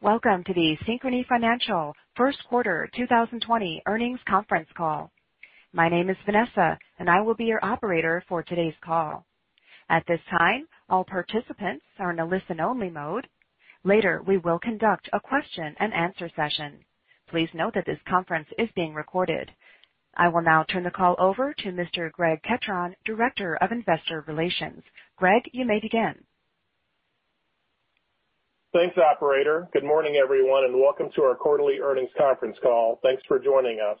Welcome to the Synchrony Financial First Quarter 2020 earnings conference call. My name is Vanessa, and I will be your operator for today's call. At this time, all participants are in a listen-only mode. Later, we will conduct a question and answer session. Please note that this conference is being recorded. I will now turn the call over to Mr. Greg Ketron, Director of Investor Relations. Greg, you may begin. Thanks, operator. Good morning, everyone, and welcome to our quarterly earnings conference call. Thanks for joining us.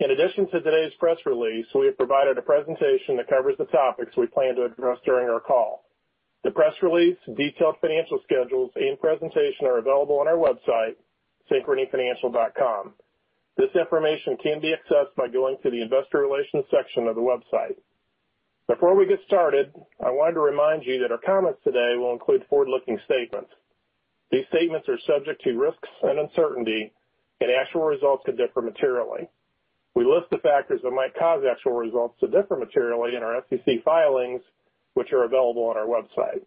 In addition to today's press release, we have provided a presentation that covers the topics we plan to address during our call. The press release, detailed financial schedules, and presentation are available on our website, synchronyfinancial.com. This information can be accessed by going to the investor relations section of the website. Before we get started, I wanted to remind you that our comments today will include forward-looking statements. These statements are subject to risks and uncertainty, and actual results could differ materially. We list the factors that might cause actual results to differ materially in our SEC filings which are available on our website.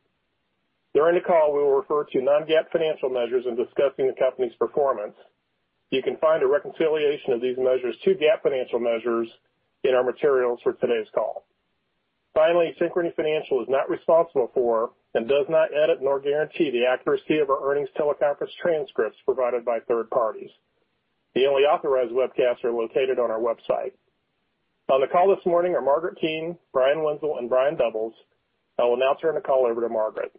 During the call, we will refer to non-GAAP financial measures in discussing the company's performance. You can find a reconciliation of these measures to GAAP financial measures in our materials for today's call. Finally, Synchrony Financial is not responsible for and does not edit nor guarantee the accuracy of our earnings teleconference transcripts provided by third parties. The only authorized webcasts are located on our website. On the call this morning are Margaret Keane, Brian Wenzel, and Brian Doubles. I will now turn the call over to Margaret.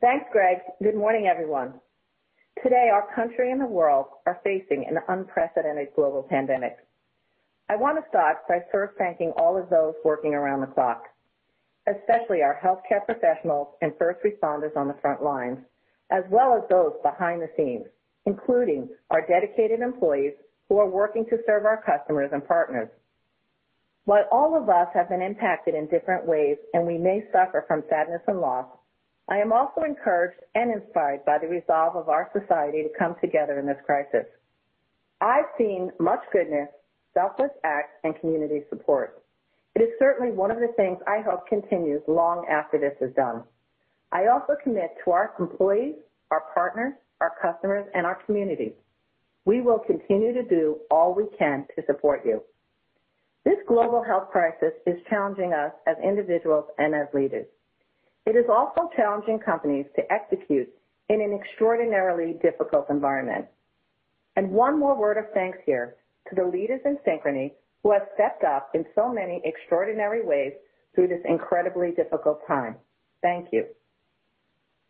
Thanks, Greg. Good morning, everyone. Today, our country and the world are facing an unprecedented global pandemic. I want to start by first thanking all of those working around the clock, especially our healthcare professionals and first responders on the front lines, as well as those behind the scenes, including our dedicated employees who are working to serve our customers and partners. While all of us have been impacted in different ways and we may suffer from sadness and loss, I am also encouraged and inspired by the resolve of our society to come together in this crisis. I've seen much goodness, selfless acts, and community support. It is certainly one of the things I hope continues long after this is done. I also commit to our employees, our partners, our customers, and our communities, we will continue to do all we can to support you. This global health crisis is challenging us as individuals and as leaders. It is also challenging companies to execute in an extraordinarily difficult environment. One more word of thanks here to the leaders in Synchrony who have stepped up in so many extraordinary ways through this incredibly difficult time. Thank you.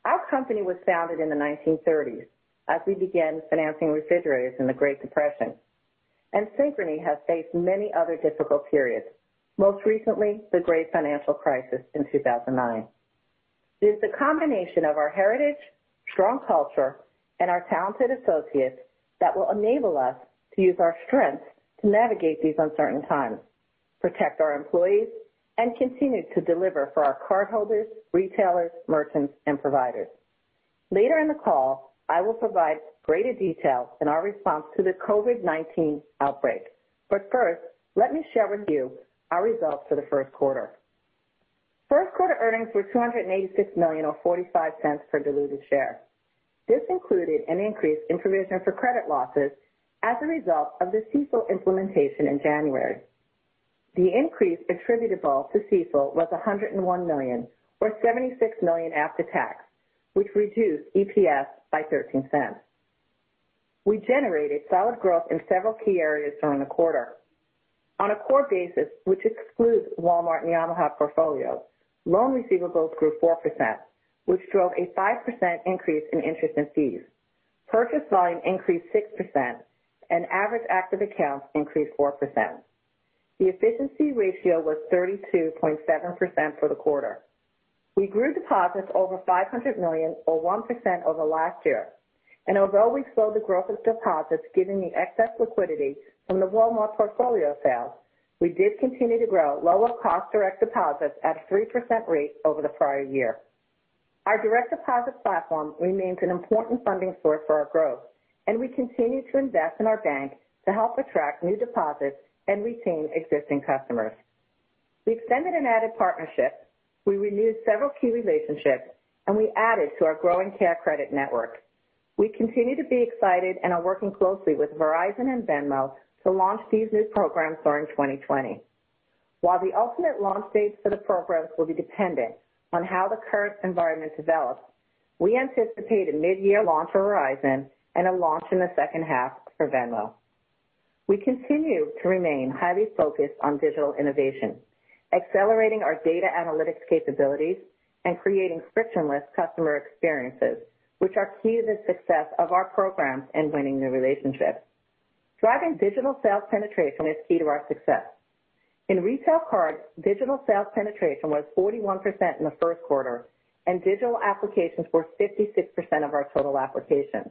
Our company was founded in the 1930s as we began financing refrigerators in the Great Depression, and Synchrony has faced many other difficult periods, most recently, the Great Financial Crisis in 2009. It is the combination of our heritage, strong culture, and our talented associates that will enable us to use our strengths to navigate these uncertain times, protect our employees, and continue to deliver for our cardholders, retailers, merchants, and providers. Later in the call, I will provide greater details in our response to the COVID-19 outbreak. First, let me share with you our results for the first quarter. First quarter earnings were $286 million, or $0.45 per diluted share. This included an increase in provision for credit losses as a result of the CECL implementation in January. The increase attributable to CECL was $101 million or $76 million after tax, which reduced EPS by $0.13. We generated solid growth in several key areas during the quarter. On a core basis, which excludes Walmart and the Omaha portfolio, loan receivables grew 4%, which drove a 5% increase in interest and fees. Purchase volume increased 6% and average active accounts increased 4%. The efficiency ratio was 32.7% for the quarter. We grew deposits over $500 million or 1% over last year. Although we slowed the growth of deposits given the excess liquidity from the Walmart portfolio sale, we did continue to grow lower-cost direct deposits at a 3% rate over the prior year. Our direct deposit platform remains an important funding source for our growth, and we continue to invest in our bank to help attract new deposits and retain existing customers. We extended an added partnership, we renewed several key relationships, and we added to our growing CareCredit network. We continue to be excited and are working closely with Verizon and Venmo to launch these new programs during 2020. While the ultimate launch dates for the programs will be dependent on how the current environment develops, we anticipate a mid-year launch for Verizon and a launch in the second half for Venmo. We continue to remain highly focused on digital innovation, accelerating our data analytics capabilities, and creating frictionless customer experiences, which are key to the success of our programs in winning new relationships. Driving digital sales penetration is key to our success. In retail cards, digital sales penetration was 41% in the first quarter, and digital applications were 56% of our total applications.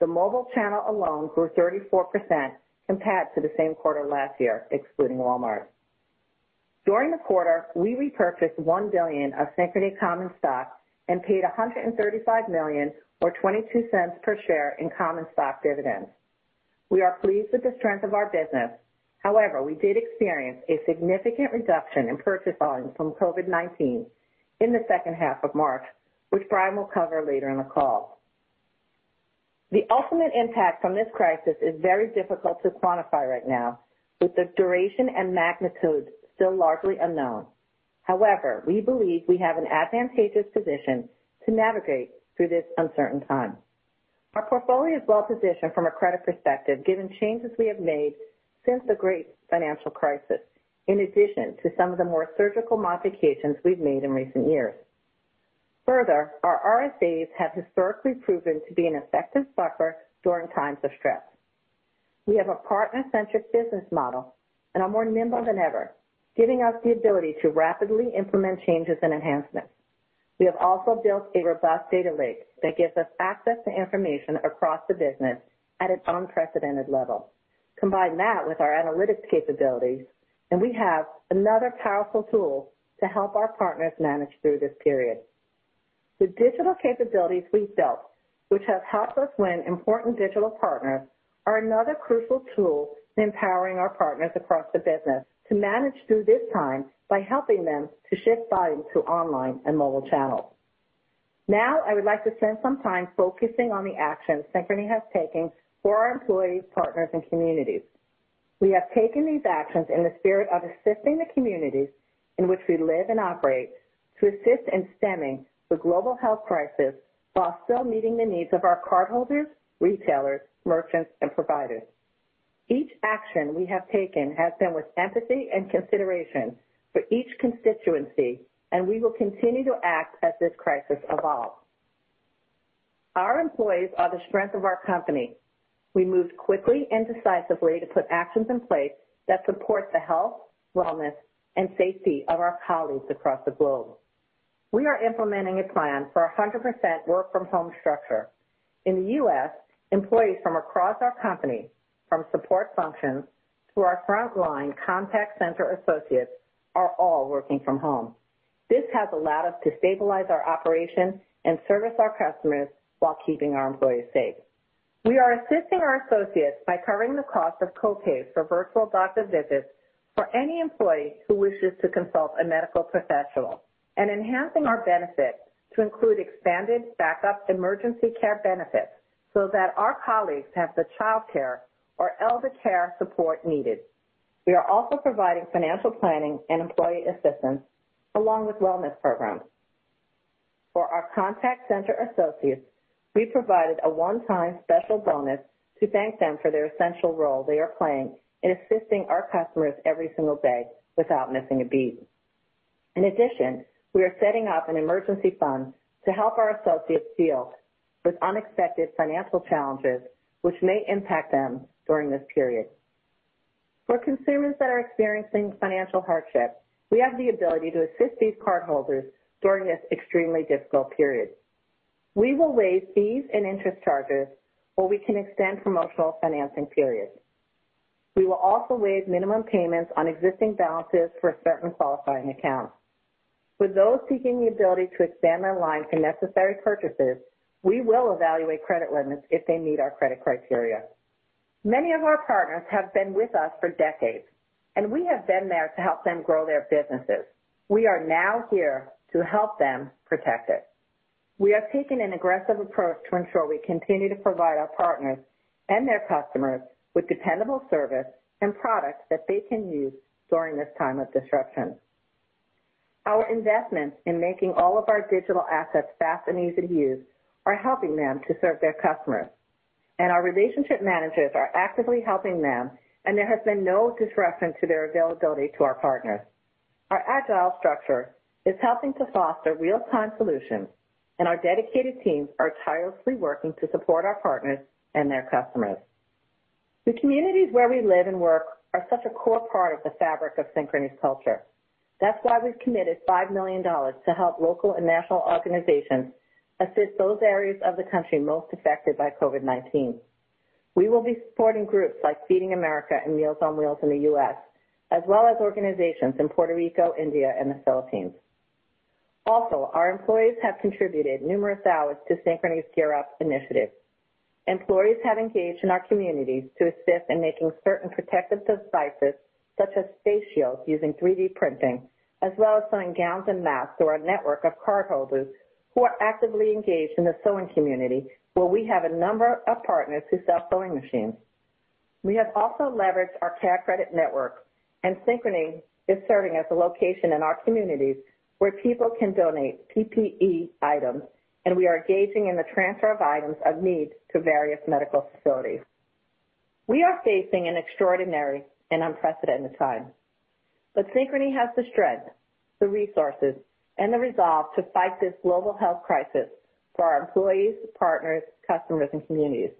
The mobile channel alone grew 34% compared to the same quarter last year, excluding Walmart. During the quarter, we repurchased $1 billion of Synchrony common stock and paid $135 million or $0.22 per share in common stock dividends. We are pleased with the strength of our business. However, we did experience a significant reduction in purchase volume from COVID-19 in the second half of March, which Brian will cover later in the call. The ultimate impact from this crisis is very difficult to quantify right now with the duration and magnitude still largely unknown. However, we believe we have an advantageous position to navigate through this uncertain time. Our portfolio is well-positioned from a credit perspective given changes we have made since the Great Financial Crisis, in addition to some of the more surgical modifications we've made in recent years. Further, our RSAs have historically proven to be an effective buffer during times of stress. We have a partner-centric business model and are more nimble than ever, giving us the ability to rapidly implement changes and enhancements. We have also built a robust data lake that gives us access to information across the business at an unprecedented level. Combine that with our analytics capabilities, and we have another powerful tool to help our partners manage through this period. The digital capabilities we've built, which have helped us win important digital partners, are another crucial tool in empowering our partners across the business to manage through this time by helping them to shift volume to online and mobile channels. I would like to spend some time focusing on the actions Synchrony has taken for our employees, partners, and communities. We have taken these actions in the spirit of assisting the communities in which we live and operate to assist in stemming the global health crisis while still meeting the needs of our cardholders, retailers, merchants, and providers. Each action we have taken has been with empathy and consideration for each constituency, and we will continue to act as this crisis evolves. Our employees are the strength of our company. We moved quickly and decisively to put actions in place that support the health, wellness, and safety of our colleagues across the globe. We are implementing a plan for 100% work-from-home structure. In the U.S., employees from across our company, from support functions to our frontline contact center associates, are all working from home. This has allowed us to stabilize our operations and service our customers while keeping our employees safe. We are assisting our associates by covering the cost of co-pays for virtual doctor visits for any employee who wishes to consult a medical professional and enhancing our benefits to include expanded backup emergency care benefits so that our colleagues have the childcare or elder care support needed. We are also providing financial planning and employee assistance along with wellness programs. For our contact center associates, we provided a one-time special bonus to thank them for their essential role they are playing in assisting our customers every single day without missing a beat. In addition, we are setting up an emergency fund to help our associates deal with unexpected financial challenges which may impact them during this period. For consumers that are experiencing financial hardship, we have the ability to assist these cardholders during this extremely difficult period. We will waive fees and interest charges where we can extend promotional financing periods. We will also waive minimum payments on existing balances for certain qualifying accounts. For those seeking the ability to extend their line for necessary purchases, we will evaluate credit limits if they meet our credit criteria. Many of our partners have been with us for decades, and we have been there to help them grow their businesses. We are now here to help them protect it. We have taken an aggressive approach to ensure we continue to provide our partners and their customers with dependable service and products that they can use during this time of disruption. Our investments in making all of our digital assets fast and easy to use are helping them to serve their customers. Our relationship managers are actively helping them, and there has been no disruption to their availability to our partners. Our agile structure is helping to foster real-time solutions, and our dedicated teams are tirelessly working to support our partners and their customers. The communities where we live and work are such a core part of the fabric of Synchrony's culture. That's why we've committed $5 million to help local and national organizations assist those areas of the country most affected by COVID-19. We will be supporting groups like Feeding America and Meals on Wheels in the U.S., as well as organizations in Puerto Rico, India, and the Philippines. Our employees have contributed numerous hours to Synchrony's Gear Up initiative. Employees have engaged in our communities to assist in making certain protective devices such as face shields using 3D printing, as well as sewing gowns and masks through our network of cardholders who are actively engaged in the sewing community where we have a number of partners who sell sewing machines. We have also leveraged our CareCredit network, and Synchrony is serving as a location in our communities where people can donate PPE items, and we are engaging in the transfer of items of need to various medical facilities. We are facing an extraordinary and unprecedented time, but Synchrony has the strength, the resources, and the resolve to fight this global health crisis for our employees, partners, customers, and communities.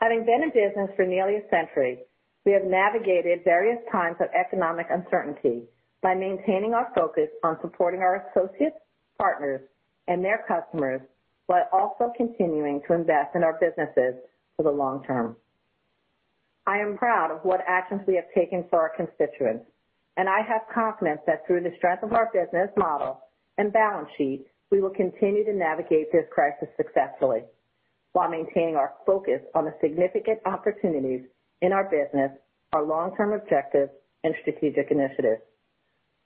Having been in business for nearly a century, we have navigated various times of economic uncertainty by maintaining our focus on supporting our associates, partners, and their customers while also continuing to invest in our businesses for the long term. I am proud of what actions we have taken for our constituents, and I have confidence that through the strength of our business model and balance sheet, we will continue to navigate this crisis successfully while maintaining our focus on the significant opportunities in our business, our long-term objectives and strategic initiatives.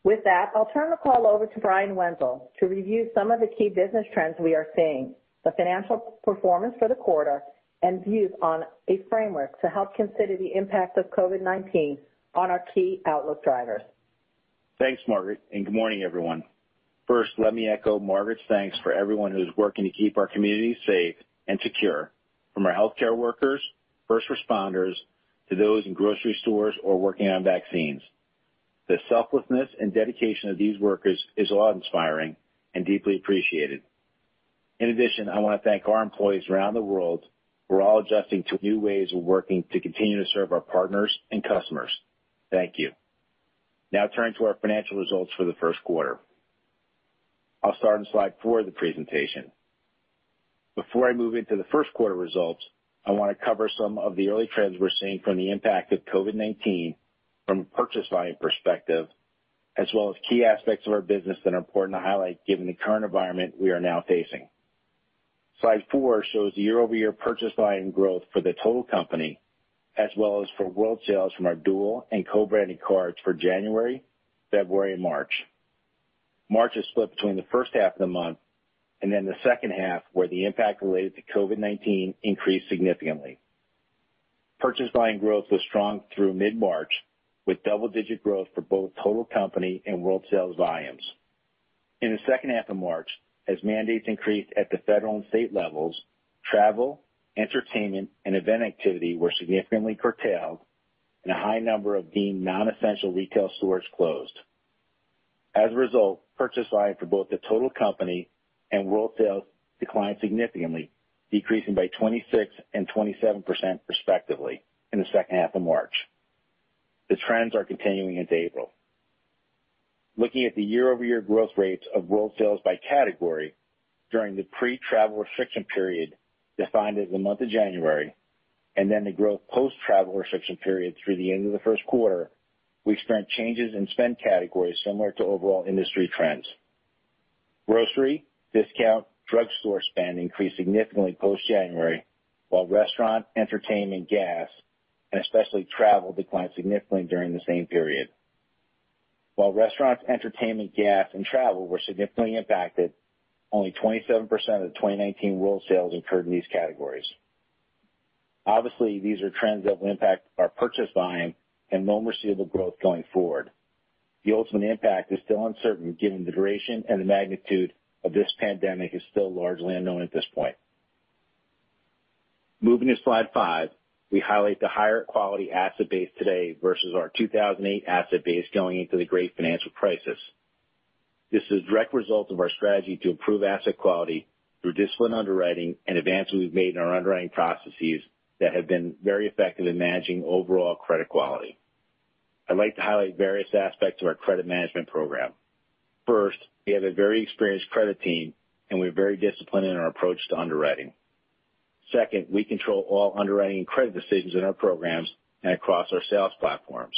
With that, I'll turn the call over to Brian Wenzel to review some of the key business trends we are seeing, the financial performance for the quarter, and views on a framework to help consider the impact of COVID-19 on our key outlook drivers. Thanks, Margaret, and good morning, everyone. First, let me echo Margaret's thanks for everyone who is working to keep our communities safe and secure, from our healthcare workers, first responders, to those in grocery stores or working on vaccines. The selflessness and dedication of these workers is awe-inspiring and deeply appreciated. In addition, I want to thank our employees around the world who are all adjusting to new ways of working to continue to serve our partners and customers. Thank you. Now turning to our financial results for the first quarter. I'll start on slide four of the presentation. Before I move into the first quarter results, I want to cover some of the early trends we're seeing from the impact of COVID-19 from a purchase volume perspective, as well as key aspects of our business that are important to highlight given the current environment we are now facing. Slide 4 shows the year-over-year purchase volume growth for the total company, as well as for world sales from our dual and co-branded cards for January, February, and March. March is split between the first half of the month and then the second half, where the impact related to COVID-19 increased significantly. Purchase volume growth was strong through mid-March, with double-digit growth for both total company and world sales volumes. In the second half of March, as mandates increased at the federal and state levels, travel, entertainment, and event activity were significantly curtailed, and a high number of deemed non-essential retail stores closed. As a result, purchase volume for both the total company and world sales declined significantly, decreasing by 26% and 27% respectively in the second half of March. The trends are continuing into April. Looking at the year-over-year growth rates of world sales by category during the pre-travel restriction period, defined as the month of January, and then the growth post travel restriction period through the end of the first quarter, we experienced changes in spend categories similar to overall industry trends. Grocery, discount, drugstore spend increased significantly post January, while restaurant, entertainment, gas, and especially travel declined significantly during the same period. While restaurants, entertainment, gas, and travel were significantly impacted, only 27% of the 2019 world sales occurred in these categories. Obviously, these are trends that will impact our purchase volume and loan receivable growth going forward. The ultimate impact is still uncertain given the duration and the magnitude of this pandemic is still largely unknown at this point. Moving to slide five, we highlight the higher quality asset base today versus our 2008 asset base going into the great financial crisis. This is a direct result of our strategy to improve asset quality through disciplined underwriting and advances we've made in our underwriting processes that have been very effective in managing overall credit quality. I'd like to highlight various aspects of our credit management program. First, we have a very experienced credit team, and we're very disciplined in our approach to underwriting. Second, we control all underwriting and credit decisions in our programs and across our sales platforms.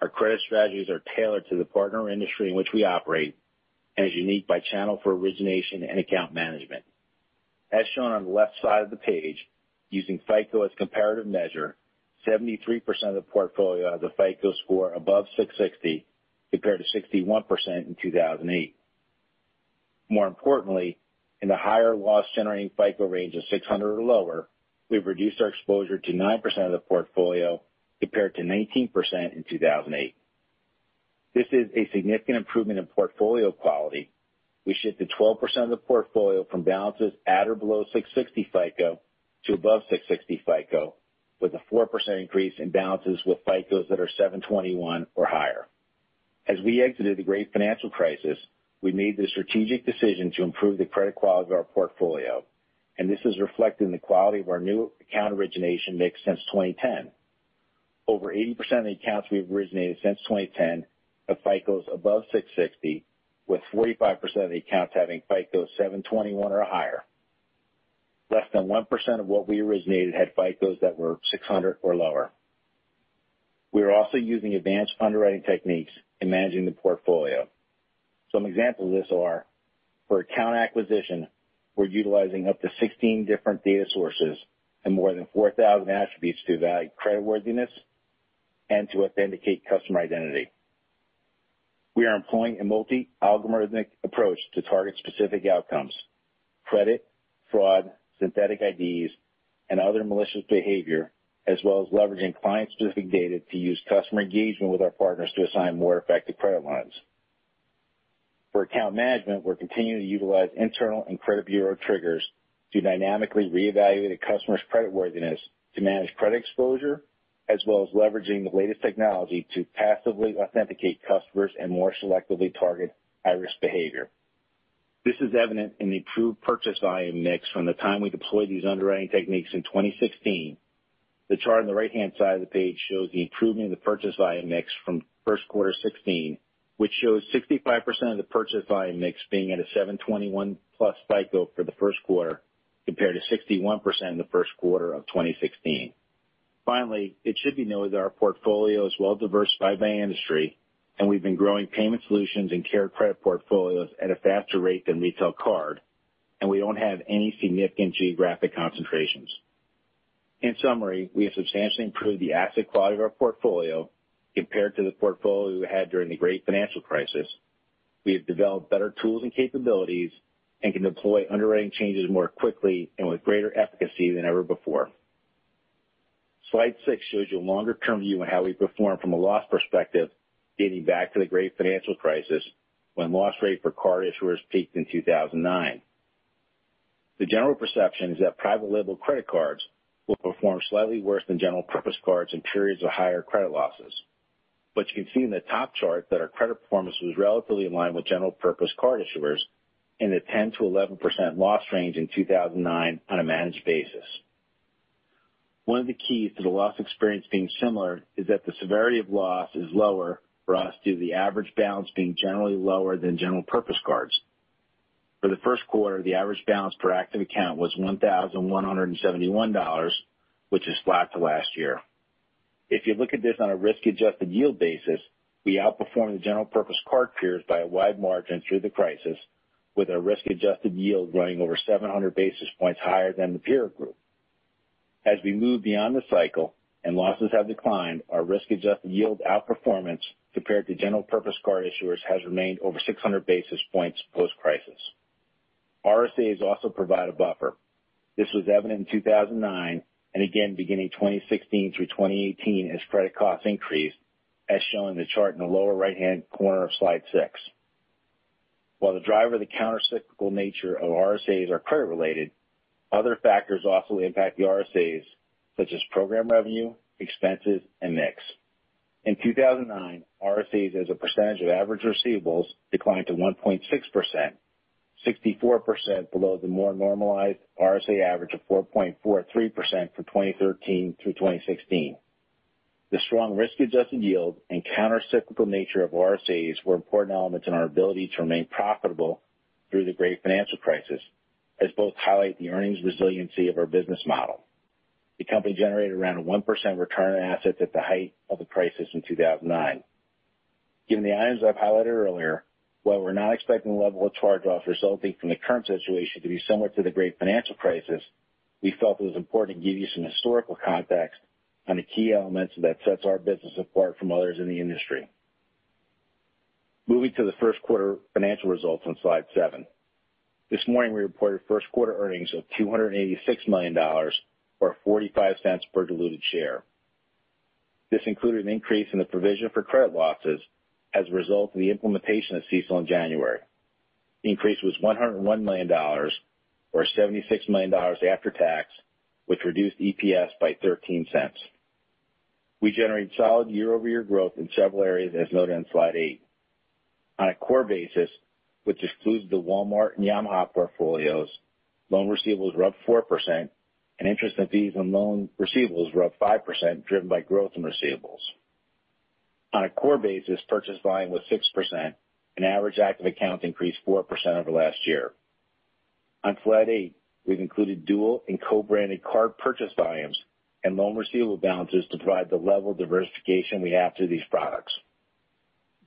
Our credit strategies are tailored to the partner industry in which we operate and is unique by channel for origination and account management. As shown on the left side of the page, using FICO as a comparative measure, 73% of the portfolio has a FICO score above 660 compared to 61% in 2008. More importantly, in the higher loss-generating FICO range of 600 or lower, we've reduced our exposure to 9% of the portfolio compared to 19% in 2008. This is a significant improvement in portfolio quality, which shifted 12% of the portfolio from balances at or below 660 FICO to above 660 FICO, with a 4% increase in balances with FICOs that are 721 or higher. As we exited the great financial crisis, we made the strategic decision to improve the credit quality of our portfolio, and this is reflected in the quality of our new account origination mix since 2010. Over 80% of the accounts we have originated since 2010 have FICOs above 660, with 45% of the accounts having FICOs 721 or higher. Less than 1% of what we originated had FICOs that were 600 or lower. We are also using advanced underwriting techniques in managing the portfolio. Some examples of this are, for account acquisition, we're utilizing up to 16 different data sources and more than 4,000 attributes to evaluate creditworthiness and to authenticate customer identity. We are employing a multi-algorithmic approach to target specific outcomes, credit, fraud, synthetic IDs, and other malicious behavior, as well as leveraging client-specific data to use customer engagement with our partners to assign more effective credit lines. For account management, we're continuing to utilize internal and credit bureau triggers to dynamically reevaluate a customer's creditworthiness to manage credit exposure, as well as leveraging the latest technology to passively authenticate customers and more selectively target high-risk behavior. This is evident in the improved purchase volume mix from the time we deployed these underwriting techniques in 2016. The chart on the right-hand side of the page shows the improvement in the purchase volume mix from first quarter 2016Which shows 65% of the purchase volume mix being at a 7/21+ cycle for the first quarter, compared to 61% in the first quarter of 2016. Finally, it should be noted that our portfolio is well-diversified by industry, and we've been growing payment solutions and CareCredit portfolios at a faster rate than retail card, and we don't have any significant geographic concentrations. In summary, we have substantially improved the asset quality of our portfolio compared to the portfolio we had during the great financial crisis. We have developed better tools and capabilities and can deploy underwriting changes more quickly and with greater efficacy than ever before. Slide six shows you a longer-term view on how we performed from a loss perspective dating back to the Great Financial Crisis, when loss rate for card issuers peaked in 2009. The general perception is that private label credit cards will perform slightly worse than general purpose cards in periods of higher credit losses. You can see in the top chart that our credit performance was relatively in line with general purpose card issuers in the 10%-11% loss range in 2009 on a managed basis. One of the keys to the loss experience being similar is that the severity of loss is lower for us due to the average balance being generally lower than general purpose cards. For the first quarter, the average balance per active account was $1,171, which is flat to last year. If you look at this on a risk-adjusted yield basis, we outperform the general purpose card peers by a wide margin through the crisis, with our risk-adjusted yield running over 700 basis points higher than the peer group. As we move beyond the cycle and losses have declined, our risk-adjusted yield outperformance compared to general purpose card issuers has remained over 600 basis points post-crisis. RSAs also provide a buffer. This was evident in 2009 and again beginning 2016 through 2018 as credit costs increased, as shown in the chart in the lower right-hand corner of slide six. While the driver of the countercyclical nature of RSAs are credit related, other factors also impact the RSAs, such as program revenue, expenses, and mix. In 2009, RSAs as a percentage of average receivables declined to 1.6%, 64% below the more normalized RSA average of 4.43% for 2013 through 2016. The strong risk-adjusted yield and countercyclical nature of RSAs were important elements in our ability to remain profitable through the Great Financial Crisis, as both highlight the earnings resiliency of our business model. The company generated around a 1% return on assets at the height of the crisis in 2009. Given the items I've highlighted earlier, while we're not expecting the level of charge-offs resulting from the current situation to be similar to the Great Financial Crisis, we felt it was important to give you some historical context on the key elements that sets our business apart from others in the industry. Moving to the first quarter financial results on slide seven. This morning, we reported first-quarter earnings of $286 million, or $0.45 per diluted share. This included an increase in the provision for credit losses as a result of the implementation of CECL in January. The increase was $101 million, or $76 million after tax, which reduced EPS by $0.13. We generated solid year-over-year growth in several areas, as noted on slide eight. On a core basis, which excludes the Walmart and Yamaha portfolios, loan receivables were up 4%, and interest and fees on loan receivables were up 5%, driven by growth in receivables. On a core basis, purchase volume was 6%, and average active accounts increased 4% over last year. On slide eight, we've included dual and co-branded card purchase volumes and loan receivable balances to provide the level of diversification we have to these products.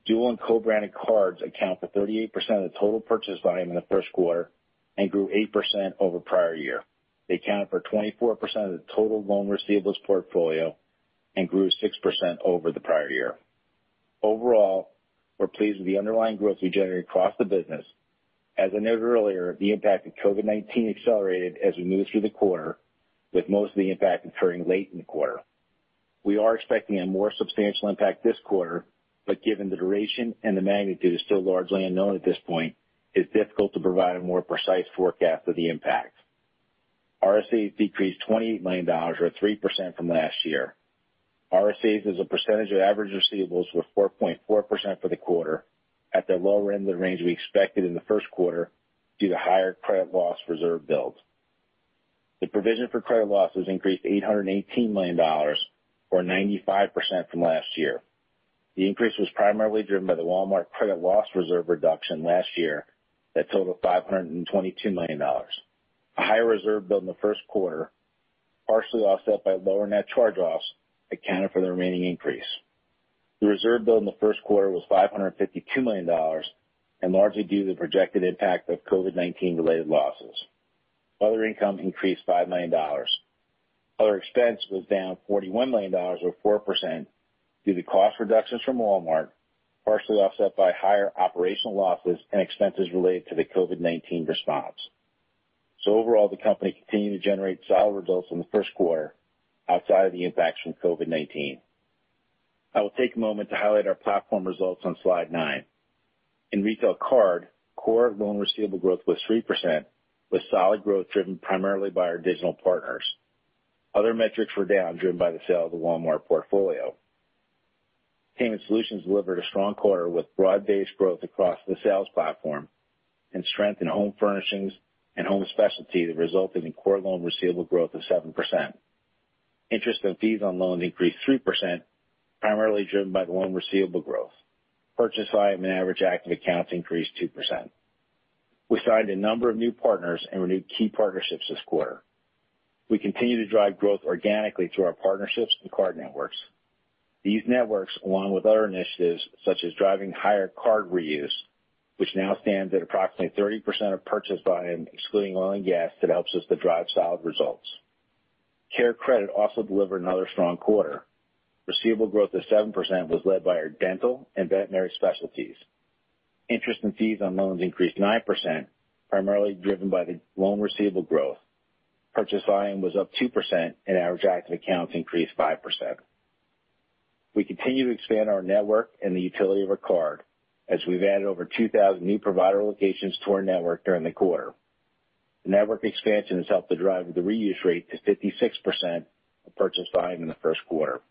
Dual and co-branded cards account for 38% of the total purchase volume in the first quarter and grew 8% over prior year. They accounted for 24% of the total loan receivables portfolio and grew 6% over the prior year. Overall, we're pleased with the underlying growth we generated across the business. As I noted earlier, the impact of COVID-19 accelerated as we moved through the quarter, with most of the impact occurring late in the quarter. We are expecting a more substantial impact this quarter, but given the duration and the magnitude is still largely unknown at this point, it's difficult to provide a more precise forecast of the impact. RSAs decreased $28 million, or 3% from last year. RSAs as a percentage of average receivables were 4.4% for the quarter, at the lower end of the range we expected in the first quarter due to higher credit loss reserve builds. The provision for credit losses increased $818 million, or 95% from last year. The increase was primarily driven by the Walmart credit loss reserve reduction last year that totaled $522 million. A higher reserve build in the first quarter, partially offset by lower net charge-offs, accounted for the remaining increase. The reserve build in the first quarter was $552 million, and largely due to the projected impact of COVID-19-related losses. Other income increased $5 million. Other expense was down $41 million, or 4%, due to cost reductions from Walmart, partially offset by higher operational losses and expenses related to the COVID-19 response. Overall, the company continued to generate solid results in the first quarter outside of the impacts from COVID-19. I will take a moment to highlight our platform results on slide nine. In retail card, core loan receivable growth was 3%, with solid growth driven primarily by our digital partners. Other metrics were down, driven by the sale of the Walmart portfolio. Payment Solutions delivered a strong quarter with broad-based growth across the sales platform and strength in home furnishings and home specialty that resulted in core loan receivable growth of 7%. Interest and fees on loans increased 3%, primarily driven by the loan receivable growth. Purchase volume and average active accounts increased 2%. We signed a number of new partners and renewed key partnerships this quarter. We continue to drive growth organically through our partnerships and card networks. These networks, along with other initiatives such as driving higher card reuse, which now stands at approximately 30% of purchase volume, excluding oil and gas, that helps us to drive solid results. CareCredit also delivered another strong quarter. Receivable growth of 7% was led by our dental and veterinary specialties. Interest and fees on loans increased 9%, primarily driven by the loan receivable growth. Purchase volume was up 2% and average active accounts increased 5%. We continue to expand our network and the utility of our card, as we've added over 2,000 new provider locations to our network during the quarter. The network expansion has helped to drive the reuse rate to 56% of purchase volume in the first quarter.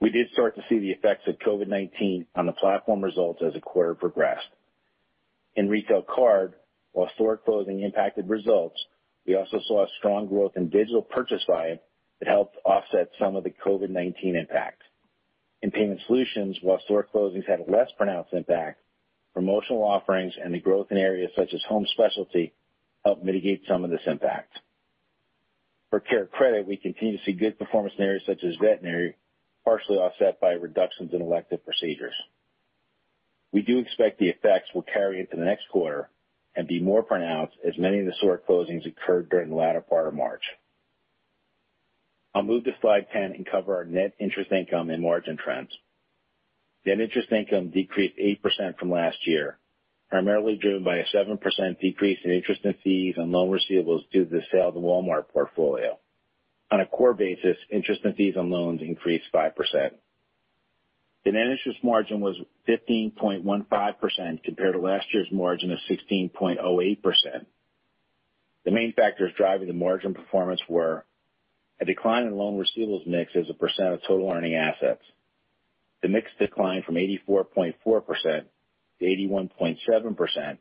We did start to see the effects of COVID-19 on the platform results as the quarter progressed. In Retail Card, while store closing impacted results, we also saw a strong growth in digital purchase volume that helped offset some of the COVID-19 impacts. In Payment Solutions, while store closings had a less pronounced impact, promotional offerings and the growth in areas such as home specialty helped mitigate some of this impact. For CareCredit, we continue to see good performance in areas such as veterinary, partially offset by reductions in elective procedures. We do expect the effects will carry into the next quarter and be more pronounced, as many of the store closings occurred during the latter part of March. I'll move to slide 10 and cover our net interest income and margin trends. Net interest income decreased 8% from last year, primarily driven by a 7% decrease in interest and fees on loan receivables due to the sale of the Walmart portfolio. On a core basis, interest and fees on loans increased 5%. The net interest margin was 15.15% compared to last year's margin of 16.08%. The main factors driving the margin performance were a decline in loan receivables mix as a percent of total earning assets. The mix declined from 84.4% to 81.7%,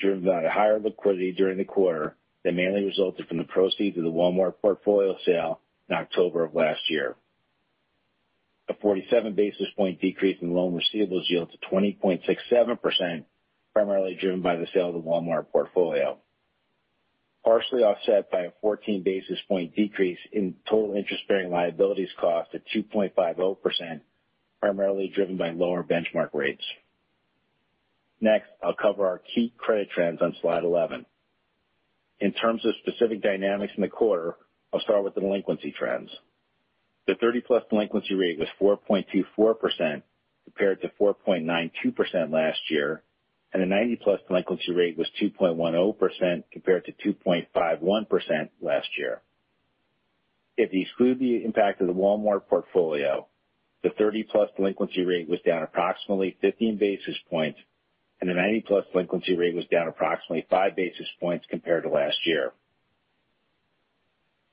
driven by the higher liquidity during the quarter that mainly resulted from the proceeds of the Walmart portfolio sale in October of last year. A 47 basis point decrease in loan receivables yield to 20.67%, primarily driven by the sale of the Walmart portfolio. Partially offset by a 14 basis point decrease in total interest-bearing liabilities cost to 2.50%, primarily driven by lower benchmark rates. Next, I'll cover our key credit trends on slide 11. In terms of specific dynamics in the quarter, I'll start with the delinquency trends. The 30-plus delinquency rate was 4.24%, compared to 4.92% last year, and the 90-plus delinquency rate was 2.10%, compared to 2.51% last year. If you exclude the impact of the Walmart portfolio, the 30-plus delinquency rate was down approximately 15 basis points, and the 90-plus delinquency rate was down approximately five basis points compared to last year.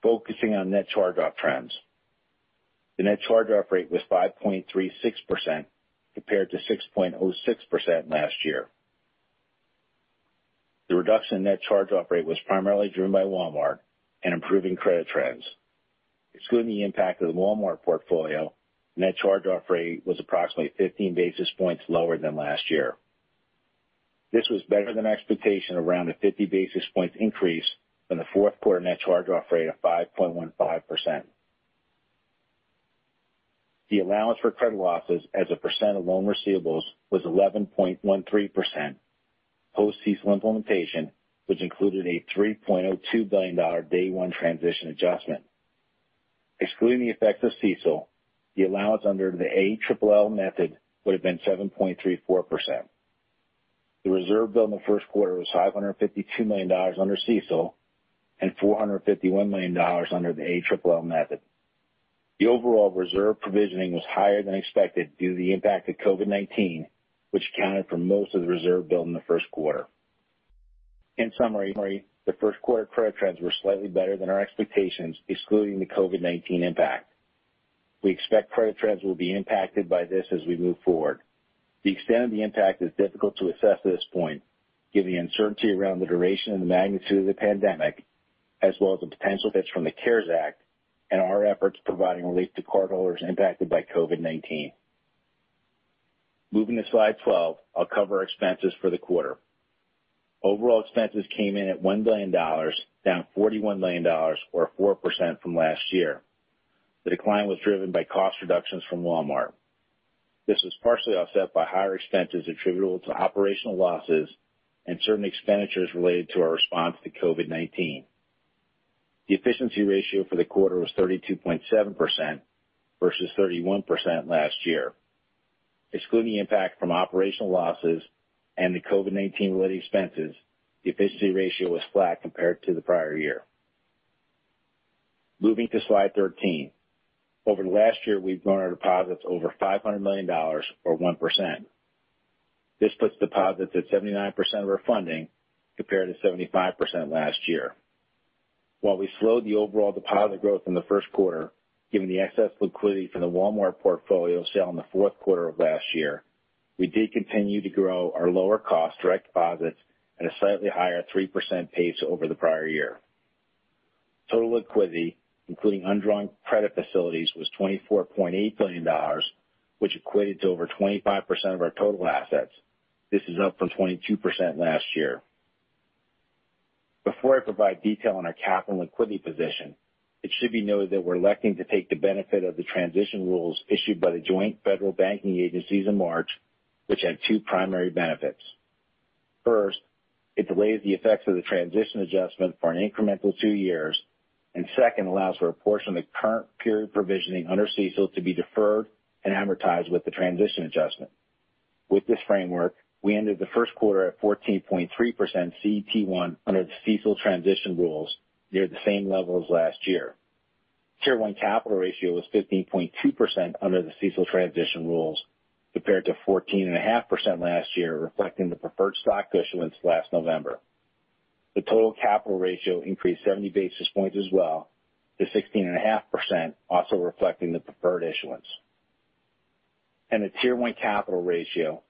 Focusing on net charge-off trends, the net charge-off rate was 5.36%, compared to 6.06% last year. The reduction in net charge-off rate was primarily driven by Walmart and improving credit trends. Excluding the impact of the Walmart portfolio, net charge-off rate was approximately 15 basis points lower than last year. This was better than expectation around a 50 basis points increase from the fourth quarter net charge-off rate of 5.15%. The allowance for credit losses as a percent of loan receivables was 11.13% post-CECL implementation, which included a $3.02 billion day one transition adjustment. Excluding the effects of CECL, the allowance under the ALLL method would have been 7.34%. The reserve build in the first quarter was $552 million under CECL and $451 million under the ALLL method. The overall reserve provisioning was higher than expected due to the impact of COVID-19, which accounted for most of the reserve build in the first quarter. In summary, the first quarter credit trends were slightly better than our expectations, excluding the COVID-19 impact. We expect credit trends will be impacted by this as we move forward. The extent of the impact is difficult to assess at this point, given the uncertainty around the duration and the magnitude of the pandemic, as well as the potential hits from the CARES Act and our efforts providing relief to cardholders impacted by COVID-19. Moving to slide 12, I'll cover our expenses for the quarter. Overall expenses came in at $1 billion, down $41 million or 4% from last year. The decline was driven by cost reductions from Walmart. This was partially offset by higher expenses attributable to operational losses and certain expenditures related to our response to COVID-19. The efficiency ratio for the quarter was 32.7% versus 31% last year. Excluding the impact from operational losses and the COVID-19 related expenses, the efficiency ratio was flat compared to the prior year. Moving to slide 13. Over the last year, we've grown our deposits over $500 million or 1%. This puts deposits at 79% of our funding compared to 75% last year. While we slowed the overall deposit growth in the first quarter, given the excess liquidity from the Walmart portfolio sale in the fourth quarter of last year. We did continue to grow our lower cost direct deposits at a slightly higher 3% pace over the prior year. Total liquidity, including undrawn credit facilities, was $24.8 billion, which equated to over 25% of our total assets. This is up from 22% last year. Before I provide detail on our capital and liquidity position, it should be noted that we're electing to take the benefit of the transition rules issued by the joint federal banking agencies in March, which had two primary benefits. Second, allows for a portion of the current period provisioning under CECL to be deferred and amortized with the transition adjustment. With this framework, we ended the first quarter at 14.3% CET1 under the CECL transition rules, near the same level as last year. Tier 1 capital ratio was 15.2% under the CECL transition rules, compared to 14.5% last year, reflecting the preferred stock issuance last November. The total capital ratio increased 70 basis points as well to 16.5%, also reflecting the preferred issuance. The tier one capital ratio,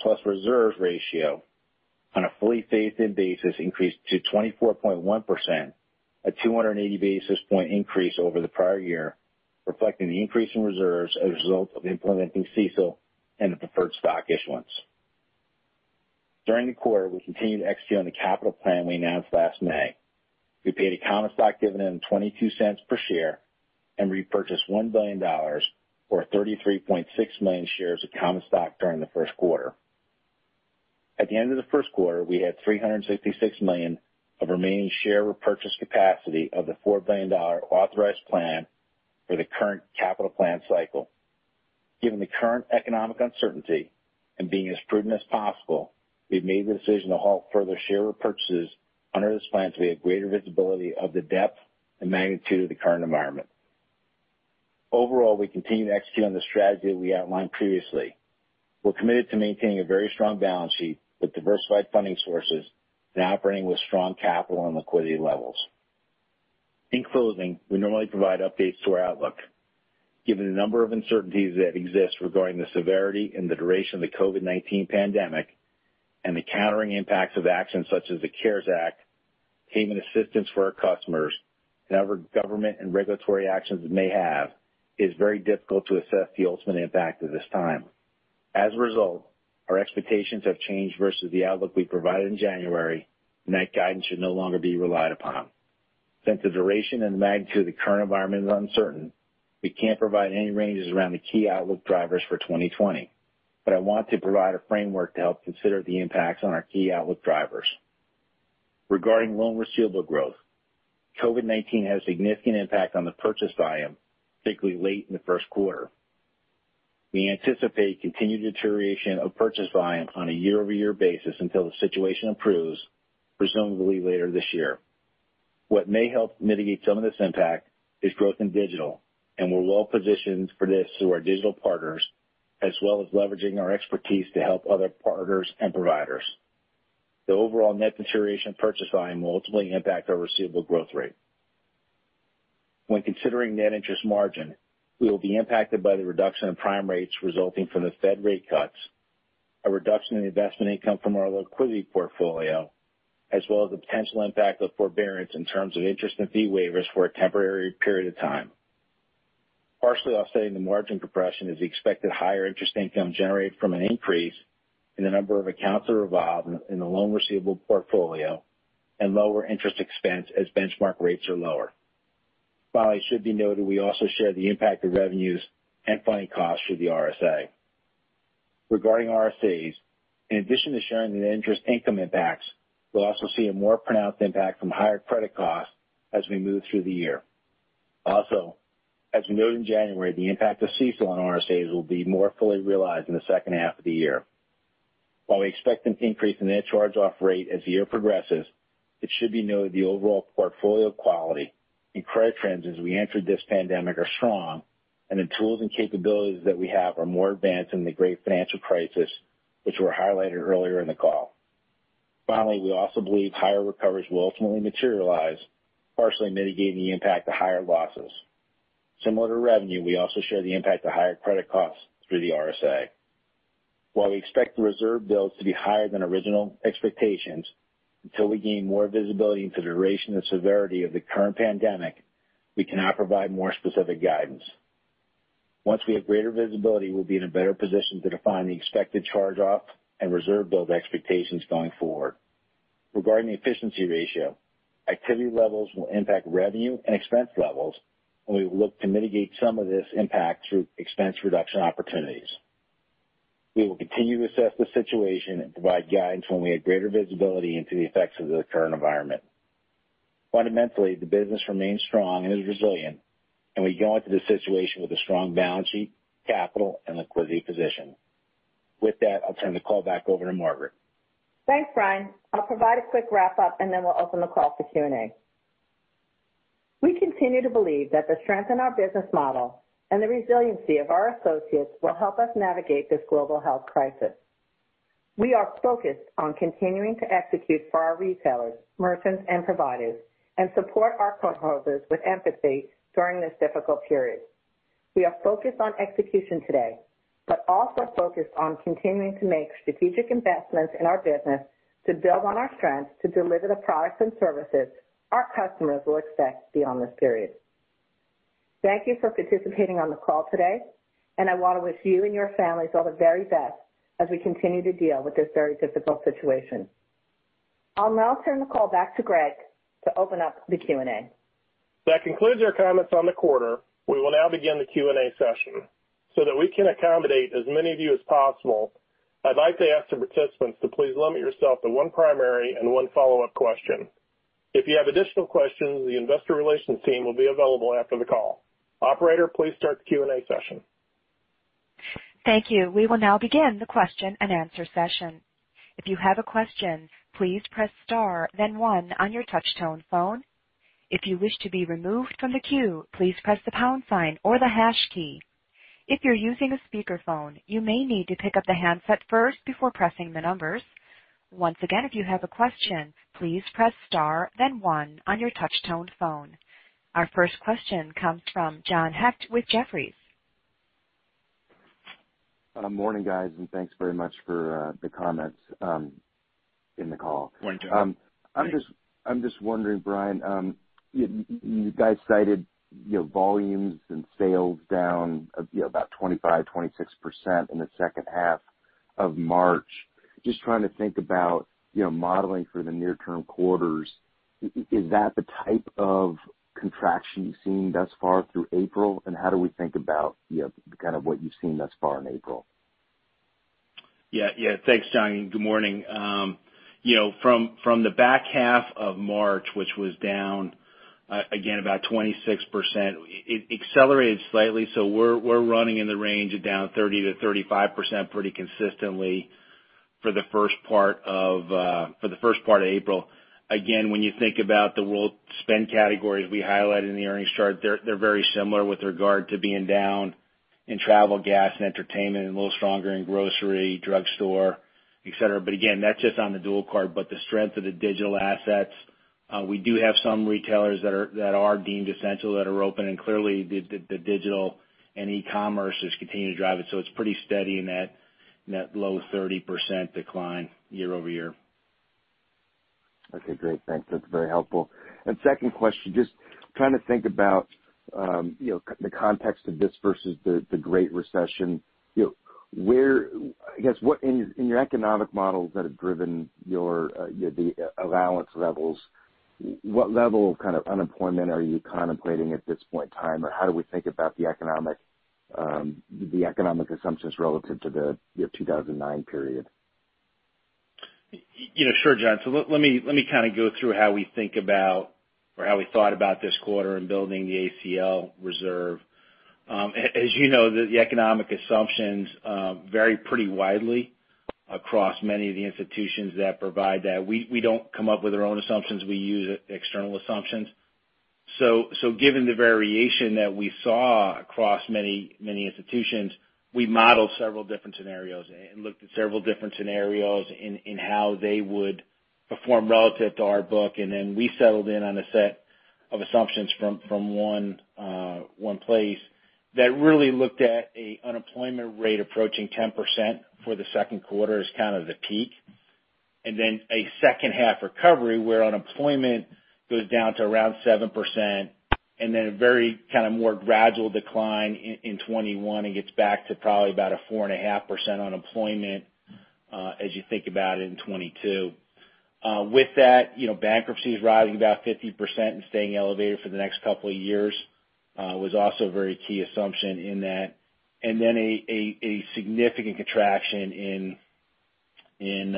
plus reserve ratio, on a fully phased-in basis, increased to 24.1%, a 280 basis point increase over the prior year, reflecting the increase in reserves as a result of implementing CECL and the preferred stock issuance. During the quarter, we continued to execute on the capital plan we announced last May. We paid a common stock dividend of $0.22 per share and repurchased $1 billion, or 33.6 million shares of common stock during the first quarter. At the end of the first quarter, we had $366 million of remaining share repurchase capacity of the $4 billion authorized plan for the current capital plan cycle. Given the current economic uncertainty and being as prudent as possible, we've made the decision to halt further share repurchases under this plan till we have greater visibility of the depth and magnitude of the current environment. Overall, we continue to execute on the strategy that we outlined previously. We're committed to maintaining a very strong balance sheet with diversified funding sources and operating with strong capital and liquidity levels. In closing, we normally provide updates to our outlook. Given the number of uncertainties that exist regarding the severity and the duration of the COVID-19 pandemic and the countering impacts of actions such as the CARES Act, payment assistance for our customers, and other government and regulatory actions it may have, it is very difficult to assess the ultimate impact at this time. As a result, our expectations have changed versus the outlook we provided in January, and that guidance should no longer be relied upon. Since the duration and the magnitude of the current environment is uncertain, we can't provide any ranges around the key outlook drivers for 2020. I want to provide a framework to help consider the impacts on our key outlook drivers. Regarding loan receivable growth, COVID-19 had a significant impact on the purchase volume, particularly late in the first quarter. We anticipate continued deterioration of purchase volume on a year-over-year basis until the situation improves, presumably later this year. What may help mitigate some of this impact is growth in digital, and we're well positioned for this through our digital partners, as well as leveraging our expertise to help other partners and providers. The overall net deterioration purchase volume will ultimately impact our receivable growth rate. When considering net interest margin, we will be impacted by the reduction in prime rates resulting from the Fed rate cuts, a reduction in investment income from our liquidity portfolio, as well as the potential impact of forbearance in terms of interest and fee waivers for a temporary period of time. Partially offsetting the margin compression is the expected higher interest income generated from an increase in the number of accounts that are revolved in the loan receivable portfolio and lower interest expense as benchmark rates are lower. It should be noted we also share the impact of revenues and funding costs through the RSA. Regarding RSAs, in addition to sharing the interest income impacts, we'll also see a more pronounced impact from higher credit costs as we move through the year. Also, as we noted in January, the impact of CECL on RSAs will be more fully realized in the second half of the year. While we expect an increase in net charge-off rate as the year progresses, it should be noted the overall portfolio quality and credit trends as we entered this pandemic are strong, and the tools and capabilities that we have are more advanced than the great financial crisis which were highlighted earlier in the call. Finally, we also believe higher recoveries will ultimately materialize, partially mitigating the impact of higher losses. Similar to revenue, we also share the impact of higher credit costs through the RSA. While we expect the reserve builds to be higher than original expectations, until we gain more visibility into the duration and severity of the current pandemic, we cannot provide more specific guidance. Once we have greater visibility, we'll be in a better position to define the expected charge-off and reserve build expectations going forward. Regarding the efficiency ratio, activity levels will impact revenue and expense levels, and we will look to mitigate some of this impact through expense reduction opportunities. We will continue to assess the situation and provide guidance when we have greater visibility into the effects of the current environment. Fundamentally, the business remains strong and is resilient, and we go into this situation with a strong balance sheet, capital, and liquidity position. With that, I'll turn the call back over to Margaret. Thanks, Brian. I'll provide a quick wrap-up, and then we'll open the call for Q&A. We continue to believe that the strength in our business model and the resiliency of our associates will help us navigate this global health crisis. We are focused on continuing to execute for our retailers, merchants, and providers and support our cardholders with empathy during this difficult period. We are focused on execution today, but also focused on continuing to make strategic investments in our business to build on our strengths to deliver the products and services our customers will expect beyond this period. Thank you for participating on the call today, and I want to wish you and your families all the very best as we continue to deal with this very difficult situation. I'll now turn the call back to Greg to open up the Q&A. That concludes our comments on the quarter. We will now begin the Q&A session. That we can accommodate as many of you as possible, I'd like to ask the participants to please limit yourself to one primary and one follow-up question. If you have additional questions, the investor relations team will be available after the call. Operator, please start the Q&A session. Thank you. We will now begin the question and answer session. If you have a question, please press star then one on your touch-tone phone. If you wish to be removed from the queue, please press the pound sign or the hash key. If you're using a speakerphone, you may need to pick up the handset first before pressing the numbers. Once again, if you have a question, please press star then one on your touch-tone phone. Our first question comes from John Hecht with Jefferies. Morning, guys, and thanks very much for the comments in the call. Good morning, John. I'm just wondering, Brian, you guys cited your volumes and sales down about 25%, 26% in the second half of March. Just trying to think about modeling for the near-term quarters. Is that the type of contraction you've seen thus far through April? How do we think about what you've seen thus far in April? Yeah. Thanks, John. Good morning. From the back half of March, which was down again about 26%, it accelerated slightly. We're running in the range of down 30%-35% pretty consistently for the first part of April. Again, when you think about the spend categories we highlighted in the earnings chart, they're very similar with regard to being down in travel, gas, and entertainment, and a little stronger in grocery, drug store, et cetera. Again, that's just on the dual card. The strength of the digital assets, we do have some retailers that are deemed essential that are open, and clearly, the digital and e-commerce just continue to drive it. It's pretty steady in that low 30% decline year-over-year. Okay, great. Thanks. That's very helpful. Second question, just trying to think about the context of this versus the Great Recession. I guess, in your economic models that have driven the allowance levels, what level of unemployment are you contemplating at this point in time? Or how do we think about the economic assumptions relative to the 2009 period? Sure, John. Let me go through how we think about or how we thought about this quarter in building the ACL reserve. As you know, the economic assumptions vary pretty widely across many of the institutions that provide that. We don't come up with our own assumptions. We use external assumptions. Given the variation that we saw across many institutions, we modeled several different scenarios and looked at several different scenarios in how they would perform relative to our book. We settled in on a set of assumptions from one place that really looked at an unemployment rate approaching 10% for the second quarter as kind of the peak. A second half recovery where unemployment goes down to around 7% and then a very kind of more gradual decline in 2021 and gets back to probably about a 4.5% unemployment as you think about it in 2022. With that, bankruptcy is rising about 50% and staying elevated for the next couple of years was also a very key assumption in that. A significant contraction in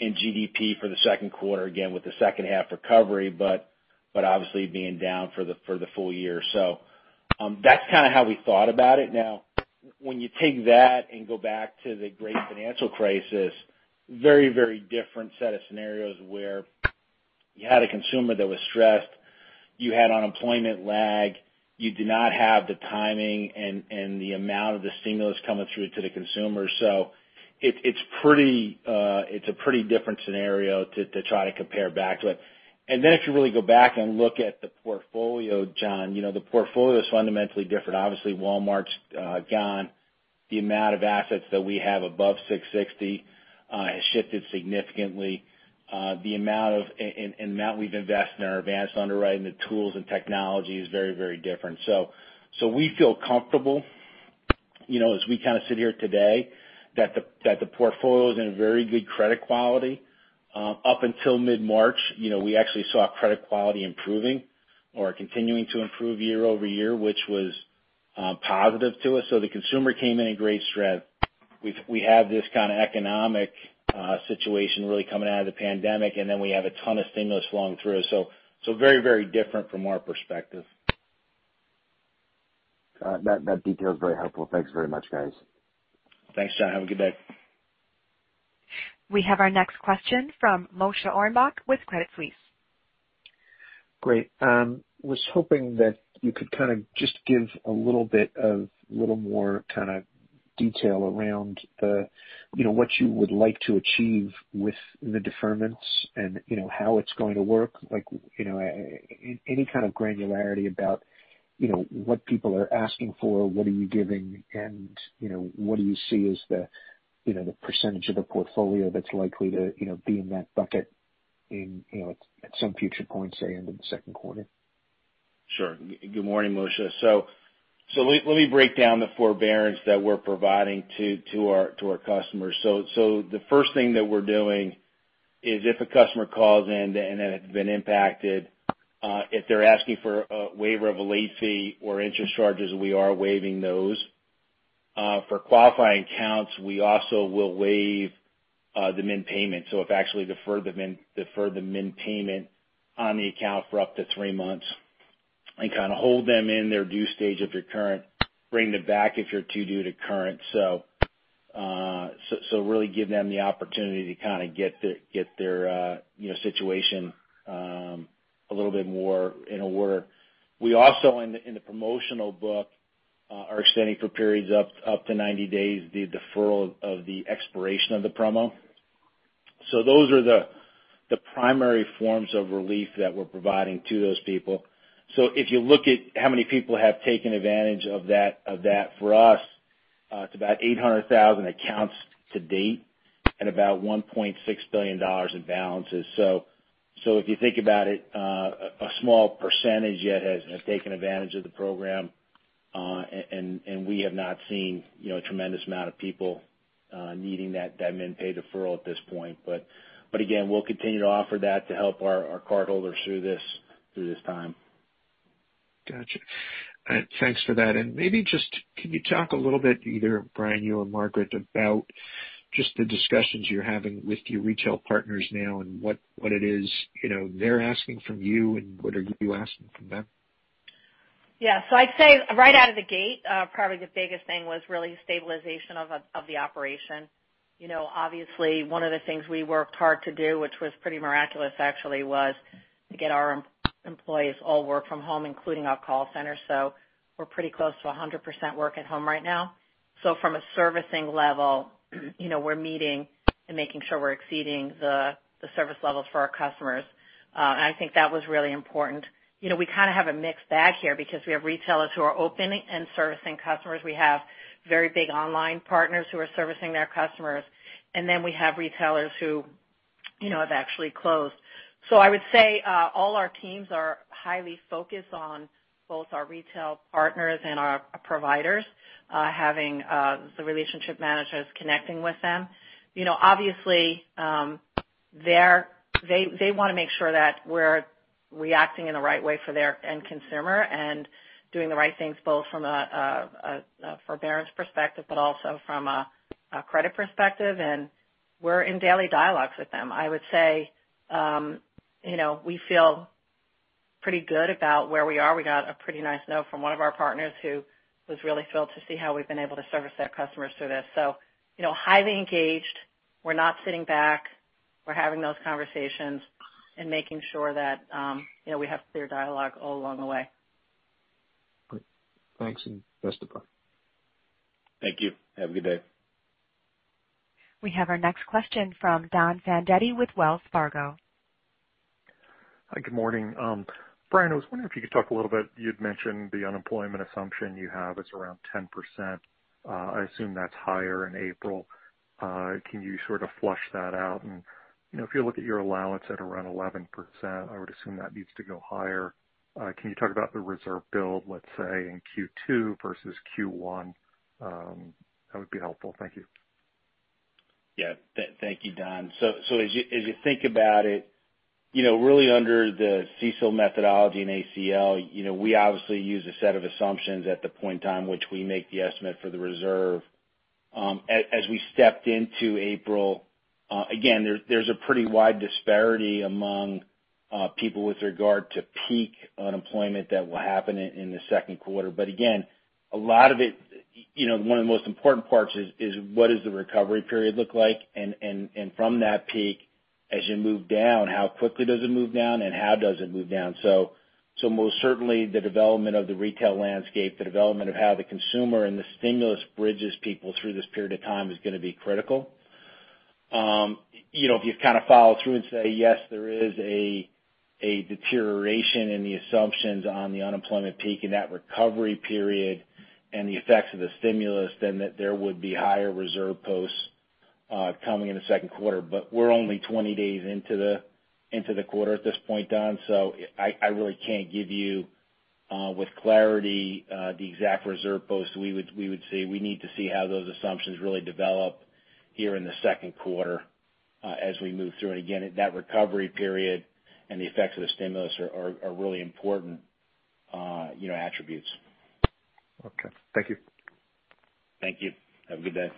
GDP for the second quarter, again, with the second half recovery, but obviously being down for the full year. That's kind of how we thought about it. When you take that and go back to the great financial crisis, very different set of scenarios where you had a consumer that was stressed. You had unemployment lag. You did not have the timing and the amount of the stimulus coming through to the consumer. It's a pretty different scenario to try to compare back to it. If you really go back and look at the portfolio, John, the portfolio is fundamentally different. Obviously, Walmart's gone. The amount of assets that we have above 660 has shifted significantly. The amount we've invested in our advanced underwriting, the tools and technology is very different. We feel comfortable as we sit here today that the portfolio is in very good credit quality. Up until mid-March, we actually saw credit quality improving or continuing to improve year-over-year, which was positive to us. The consumer came in in great strength. We have this kind of economic situation really coming out of the pandemic, and then we have a ton of stimulus flowing through. Very different from our perspective. That detail is very helpful. Thanks very much, guys. Thanks, John. Have a good day. We have our next question from Moshe Orenbuch with Credit Suisse. Great. Was hoping that you could kind of just give a little bit more kind of detail around what you would like to achieve with the deferments and how it's going to work. Any kind of granularity about what people are asking for, what are you giving, and what do you see as the percentage of the portfolio that's likely to be in that bucket at some future point, say, end of the second quarter? Sure. Good morning, Moshe. Let me break down the forbearance that we're providing to our customers. The first thing that we're doing is if a customer calls in and has been impacted, if they're asking for a waiver of a late fee or interest charges, we are waiving those. For qualifying accounts, we also will waive the min payment. We've actually deferred the min payment on the account for up to three months and kind of hold them in their due stage if they're current, bring them back if you're too due to current. Really give them the opportunity to kind of get their situation a little bit more in order. We also, in the promotional book are extending for periods up to 90 days the deferral of the expiration of the promo. Those are the primary forms of relief that we're providing to those people. If you look at how many people have taken advantage of that for us, it's about 800,000 accounts to date and about $1.6 billion in balances. If you think about it, a small percentage yet has taken advantage of the program. We have not seen a tremendous amount of people needing that min pay deferral at this point. Again, we'll continue to offer that to help our cardholders through this time. Got you. Thanks for that. Maybe just, can you talk a little bit, either Brian, you or Margaret, about just the discussions you're having with your retail partners now and what it is they're asking from you, and what are you asking from them? Yeah. I'd say right out of the gate, probably the biggest thing was really stabilization of the operation. Obviously, one of the things we worked hard to do, which was pretty miraculous actually, was to get our employees all work from home, including our call center. We're pretty close to 100% work at home right now. From a servicing level, we're meeting and making sure we're exceeding the service levels for our customers. I think that was really important. We kind of have a mixed bag here because we have retailers who are open and servicing customers. We have very big online partners who are servicing their customers, and then we have retailers who have actually closed. I would say all our teams are highly focused on both our retail partners and our providers, having the relationship managers connecting with them. Obviously they want to make sure that we're reacting in the right way for their end consumer and doing the right things both from a forbearance perspective, but also from a credit perspective. We're in daily dialogues with them. I would say we feel pretty good about where we are. We got a pretty nice note from one of our partners who was really thrilled to see how we've been able to service their customers through this, highly engaged. We're not sitting back. We're having those conversations and making sure that we have clear dialogue all along the way. Great. Thanks, and best of luck. Thank you. Have a good day. We have our next question from Don Fandetti with Wells Fargo. Hi. Good morning. Brian, I was wondering if you could talk a little bit, you'd mentioned the unemployment assumption you have is around 10%. I assume that's higher in April. Can you sort of flush that out? If you look at your allowance at around 11%, I would assume that needs to go higher. Can you talk about the reserve build, let's say in Q2 versus Q1? That would be helpful. Thank you. Yeah. Thank you, Don. As you think about it, really under the CECL methodology and ACL, we obviously use a set of assumptions at the point in time which we make the estimate for the reserve. As we stepped into April, again, there's a pretty wide disparity among people with regard to peak unemployment that will happen in the second quarter. Again, one of the most important parts is what does the recovery period look like? From that peak, as you move down, how quickly does it move down, and how does it move down? Most certainly the development of the retail landscape, the development of how the consumer and the stimulus bridges people through this period of time is going to be critical. If you kind of follow through and say, yes, there is a deterioration in the assumptions on the unemployment peak in that recovery period and the effects of the stimulus, then there would be higher reserve posts coming in the second quarter. We're only 20 days into the quarter at this point, Don. I really can't give you with clarity the exact reserve posts we would see. We need to see how those assumptions really develop here in the second quarter as we move through. Again, that recovery period and the effects of the stimulus are really important attributes. Okay. Thank you. Thank you. Have a good day.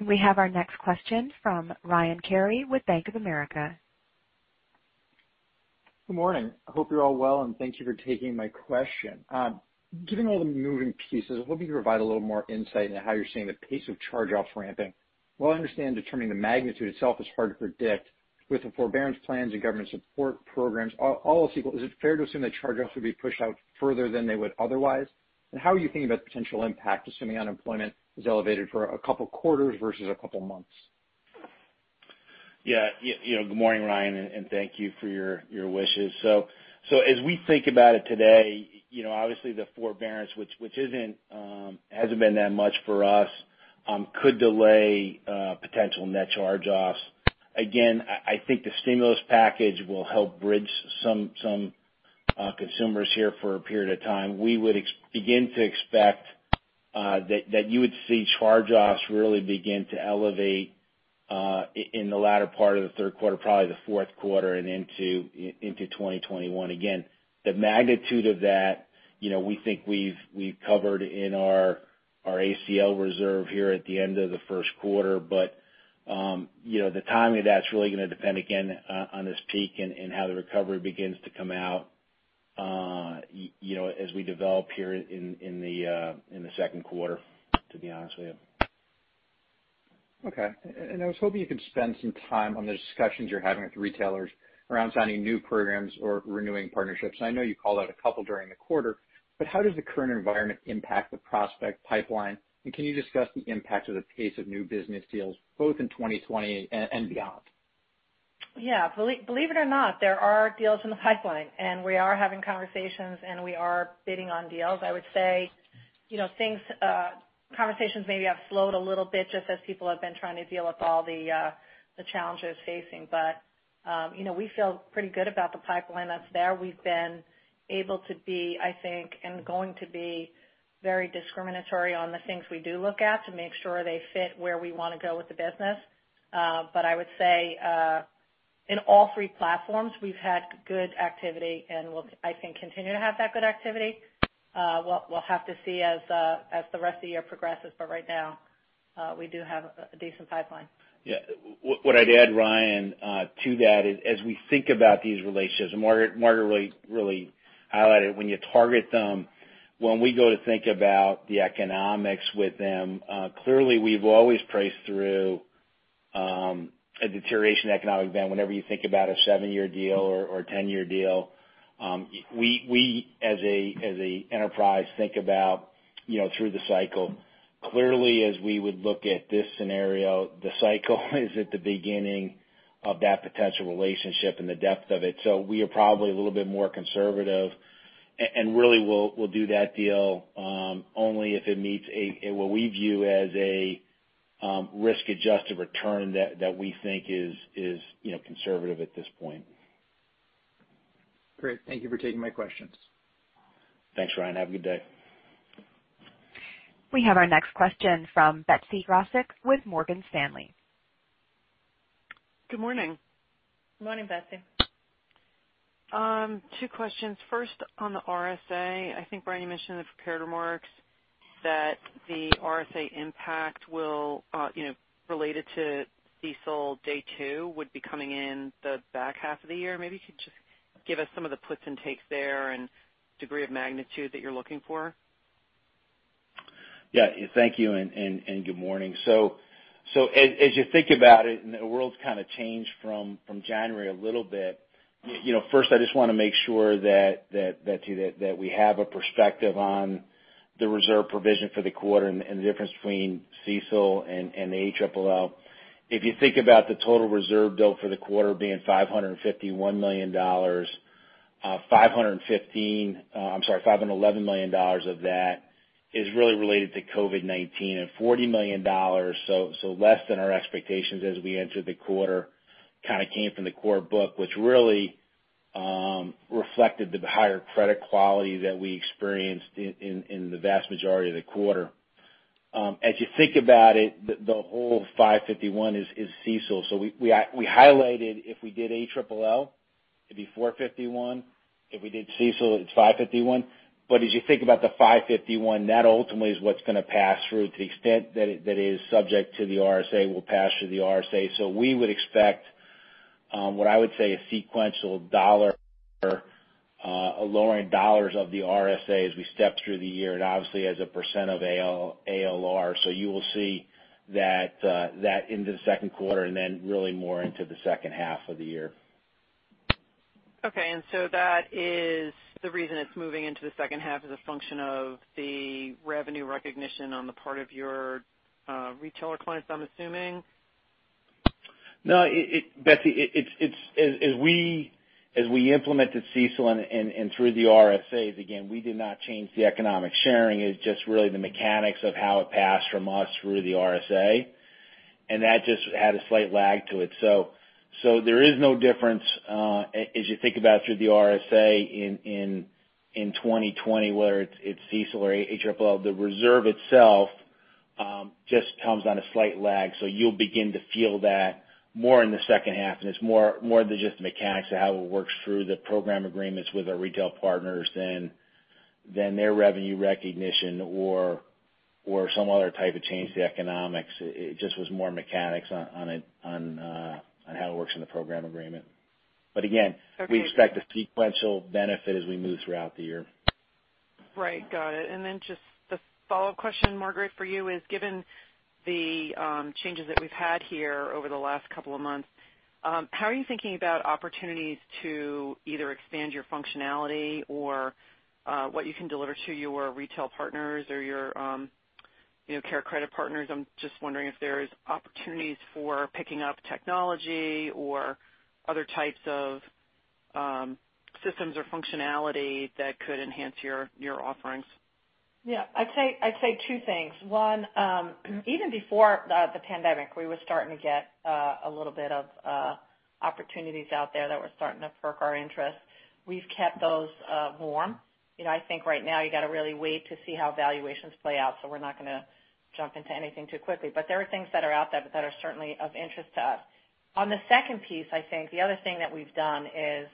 We have our next question from Bryan Nash with Bank of America. Good morning. I hope you're all well, and thank you for taking my question. Given all the moving pieces, I was hoping you could provide a little more insight into how you're seeing the pace of charge-offs ramping. While I understand determining the magnitude itself is hard to predict With the forbearance plans and government support programs, all else equal, is it fair to assume that charge-offs will be pushed out further than they would otherwise? How are you thinking about the potential impact, assuming unemployment is elevated for a couple of quarters versus a couple of months? Yeah. Good morning, Bryan, and thank you for your wishes. As we think about it today, obviously the forbearance, which hasn't been that much for us, could delay potential net charge-offs. Again, I think the stimulus package will help bridge some consumers here for a period of time. We would begin to expect that you would see charge-offs really begin to elevate in the latter part of the third quarter, probably the fourth quarter, and into 2021. Again, the magnitude of that, we think we've covered in our ACL reserve here at the end of the first quarter. The timing of that's really going to depend, again, on this peak and how the recovery begins to come out as we develop here in the second quarter, to be honest with you. Okay. I was hoping you could spend some time on the discussions you're having with retailers around signing new programs or renewing partnerships. I know you called out a couple during the quarter, but how does the current environment impact the prospect pipeline? Can you discuss the impact of the pace of new business deals, both in 2020 and beyond? Yeah. Believe it or not, there are deals in the pipeline, and we are having conversations, and we are bidding on deals. I would say conversations maybe have slowed a little bit, just as people have been trying to deal with all the challenges facing. We feel pretty good about the pipeline that's there. We've been able to be, I think, and going to be very discriminatory on the things we do look at to make sure they fit where we want to go with the business. I would say in all three platforms, we've had good activity and will, I think, continue to have that good activity. We'll have to see as the rest of the year progresses. Right now, we do have a decent pipeline. Yeah. What I'd add, Bryan, to that is as we think about these relationships, and Margaret really highlighted when you target them, when we go to think about the economics with them, clearly we've always priced through a deterioration economic event. Whenever you think about a seven-year deal or a 10-year deal. We as a enterprise think about through the cycle. As we would look at this scenario, the cycle is at the beginning of that potential relationship and the depth of it. We are probably a little bit more conservative, and really will do that deal only if it meets what we view as a risk-adjusted return that we think is conservative at this point. Great. Thank you for taking my questions. Thanks, Bryan. Have a good day. We have our next question from Betsy Graseck with Morgan Stanley. Good morning. Morning, Betsy. Two questions. First, on the RSA. I think, Brian, you mentioned in the prepared remarks that the RSA impact related to CECL day two would be coming in the back half of the year. Maybe you could just give us some of the puts and takes there and degree of magnitude that you're looking for. Yeah. Thank you, and good morning. As you think about it, and the world's kind of changed from January a little bit. First, I just want to make sure that we have a perspective on the reserve provision for the quarter and the difference between CECL and ALLL. If you think about the total reserve, though, for the quarter being $551 million, $511 million of that is really related to COVID-19. $40 million, so less than our expectations as we entered the quarter, kind of came from the core book, which really reflected the higher credit quality that we experienced in the vast majority of the quarter. As you think about it, the whole $551 million is CECL. We highlighted if we did ALLL, it'd be $451 million. If we did CECL, it's $551 million. As you think about the $551, that ultimately is what's going to pass through to the extent that it is subject to the RSA, will pass through the RSA. We would expect what I would say a sequential dollar, a lowering dollars of the RSA as we step through the year and obviously as a percent of ALR. You will see that into the second quarter and then really more into the second half of the year. Okay. That is the reason it's moving into the second half as a function of the revenue recognition on the part of your retailer clients, I'm assuming? No, Betsy. As we implemented CECL and through the RSAs, again, we did not change the economic sharing. That just had a slight lag to it. There is no difference as you think about through the RSA in 2020, whether it's CECL or ALLL. The reserve itself just comes on a slight lag. You'll begin to feel that more in the second half. It's more than just the mechanics of how it works through the program agreements with our retail partners than their revenue recognition or some other type of change to the economics. It just was more mechanics on how it works in the program agreement. Okay we expect a sequential benefit as we move throughout the year. Right. Got it. Just the follow-up question, Margaret, for you. Given the changes that we've had here over the last couple of months, how are you thinking about opportunities to either expand your functionality or what you can deliver to your retail partners or your CareCredit partners? I'm just wondering if there's opportunities for picking up technology or other types of systems or functionality that could enhance your offerings? I'd say two things. One, even before the pandemic, we were starting to get a little bit of opportunities out there that were starting to perk our interest. We've kept those warm. I think right now you got to really wait to see how valuations play out, so we're not going to jump into anything too quickly. There are things that are out there that are certainly of interest to us. On the second piece, I think the other thing that we've done is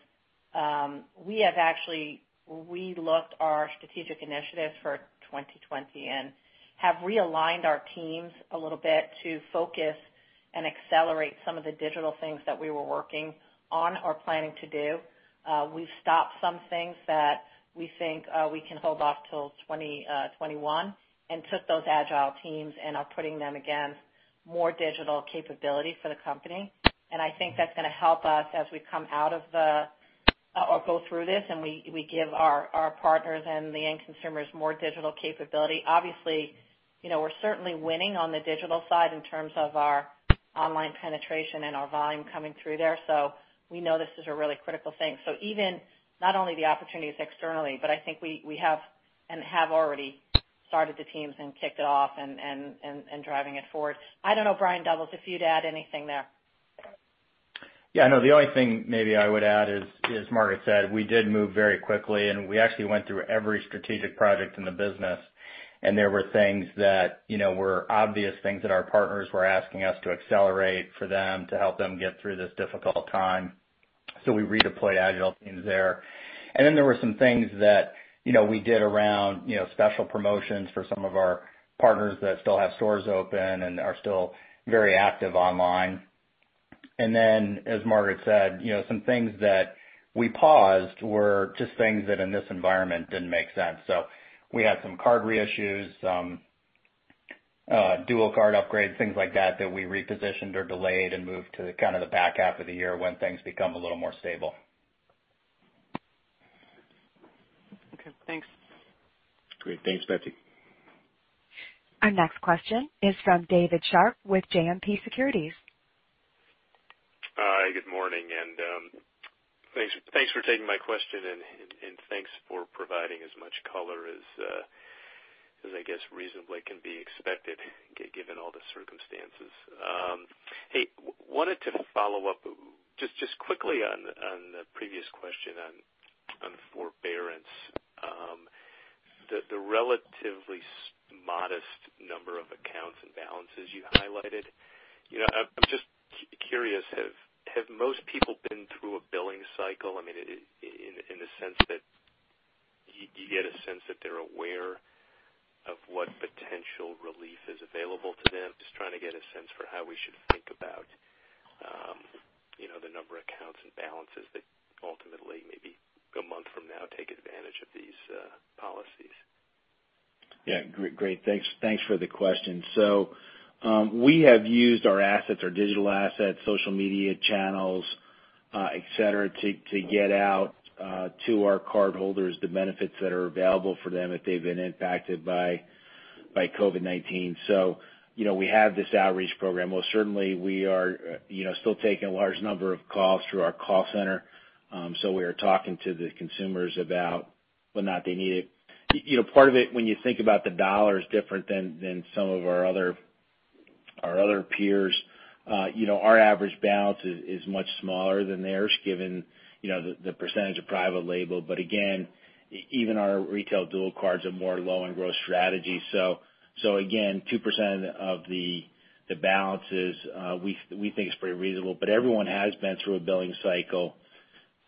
we have actually re-looked our strategic initiatives for 2020 and have realigned our teams a little bit to focus and accelerate some of the digital things that we were working on or planning to do. We've stopped some things that we think we can hold off till 2021 and took those agile teams and are putting them, again, more digital capability for the company. I think that's going to help us as we come out of the-- or go through this, and we give our partners and the end consumers more digital capability. Obviously, we're certainly winning on the digital side in terms of our online penetration and our volume coming through there. We know this is a really critical thing. Even not only the opportunities externally, but I think we have and have already started the teams and kicked it off and driving it forward. I don't know, Brian Doubles, if you'd add anything there. Yeah, no, the only thing maybe I would add is, as Margaret said, we did move very quickly, and we actually went through every strategic project in the business, and there were things that were obvious things that our partners were asking us to accelerate for them to help them get through this difficult time. We redeployed agile teams there. There were some things that we did around special promotions for some of our partners that still have stores open and are still very active online. As Margaret said, some things that we paused were just things that in this environment didn't make sense. We had some card reissues, some dual card upgrades, things like that we repositioned or delayed and moved to kind of the back half of the year when things become a little more stable. Okay, thanks. Great. Thanks, Betsy. Our next question is from David Scharf with JMP Securities. Hi, good morning, thanks for taking my question, thanks for providing as much color as I guess reasonably can be expected given all the circumstances. Hey, wanted to follow up just quickly on the previous question on forbearance. The relatively modest number of accounts and balances you highlighted. I'm just curious, have most people been through a billing cycle? I mean, in the sense that you get a sense that they're aware of what potential relief is available to them? Just trying to get a sense for how we should think about the number of accounts and balances that ultimately, maybe a month from now, take advantage of these policies? Yeah. Great. Thanks for the question. We have used our assets, our digital assets, social media channels, et cetera, to get out to our cardholders the benefits that are available for them if they've been impacted by COVID-19. We have this outreach program. Most certainly we are still taking a large number of calls through our call center. We are talking to the consumers about what not they needed. Part of it, when you think about the dollar, is different than some of our other peers. Our average balance is much smaller than theirs, given the percentage of private label. Again, even our retail dual cards are more low-end growth strategy. Again, 2% of the balances we think is pretty reasonable. Everyone has been through a billing cycle.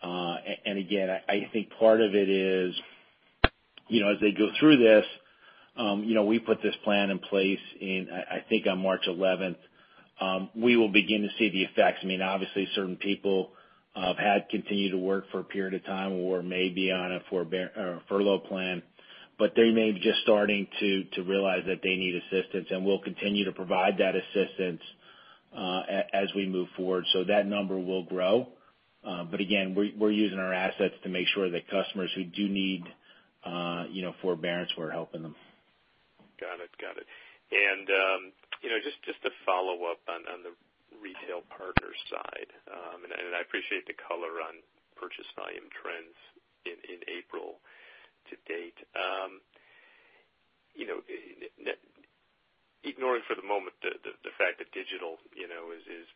Again, I think part of it is, as they go through this, we put this plan in place I think on March 11th. We will begin to see the effects. I mean, obviously, certain people have had continued to work for a period of time or may be on a furlough plan. They may be just starting to realize that they need assistance, and we'll continue to provide that assistance as we move forward. That number will grow. Again, we're using our assets to make sure that customers who do need forbearance, we're helping them. Got it. Just to follow up on the retail partner side, I appreciate the color on purchase volume trends in April to date. Ignoring for the moment the fact that digital is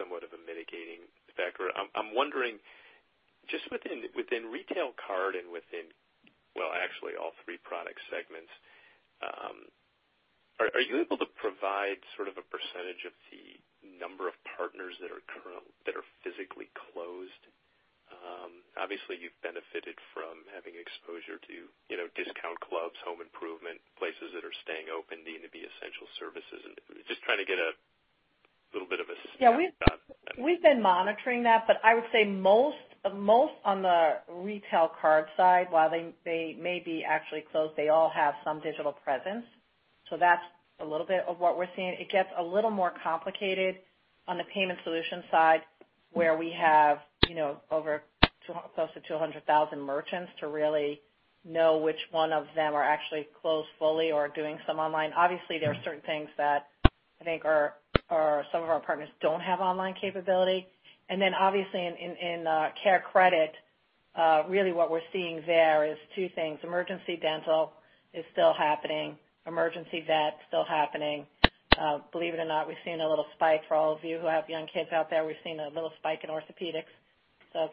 somewhat of a mitigating factor. I'm wondering just within retail card and within, well, actually all three product segments, are you able to provide sort of a percentage of the number of partners that are physically closed? Obviously, you've benefited from having exposure to discount clubs, home improvement that are staying open need to be essential services. I'm just trying to get a little bit of a sense. Yeah. We've been monitoring that, but I would say most on the retail card side, while they may be actually closed, they all have some digital presence. That's a little bit of what we're seeing. It gets a little more complicated on the payment solution side, where we have over close to 200,000 merchants to really know which one of them are actually closed fully or doing some online. Obviously, there are certain things that I think some of our partners don't have online capability. Obviously in CareCredit, really what we're seeing there is two things. Emergency dental is still happening, emergency vet still happening. Believe it or not, we've seen a little spike for all of you who have young kids out there. We've seen a little spike in orthopedics.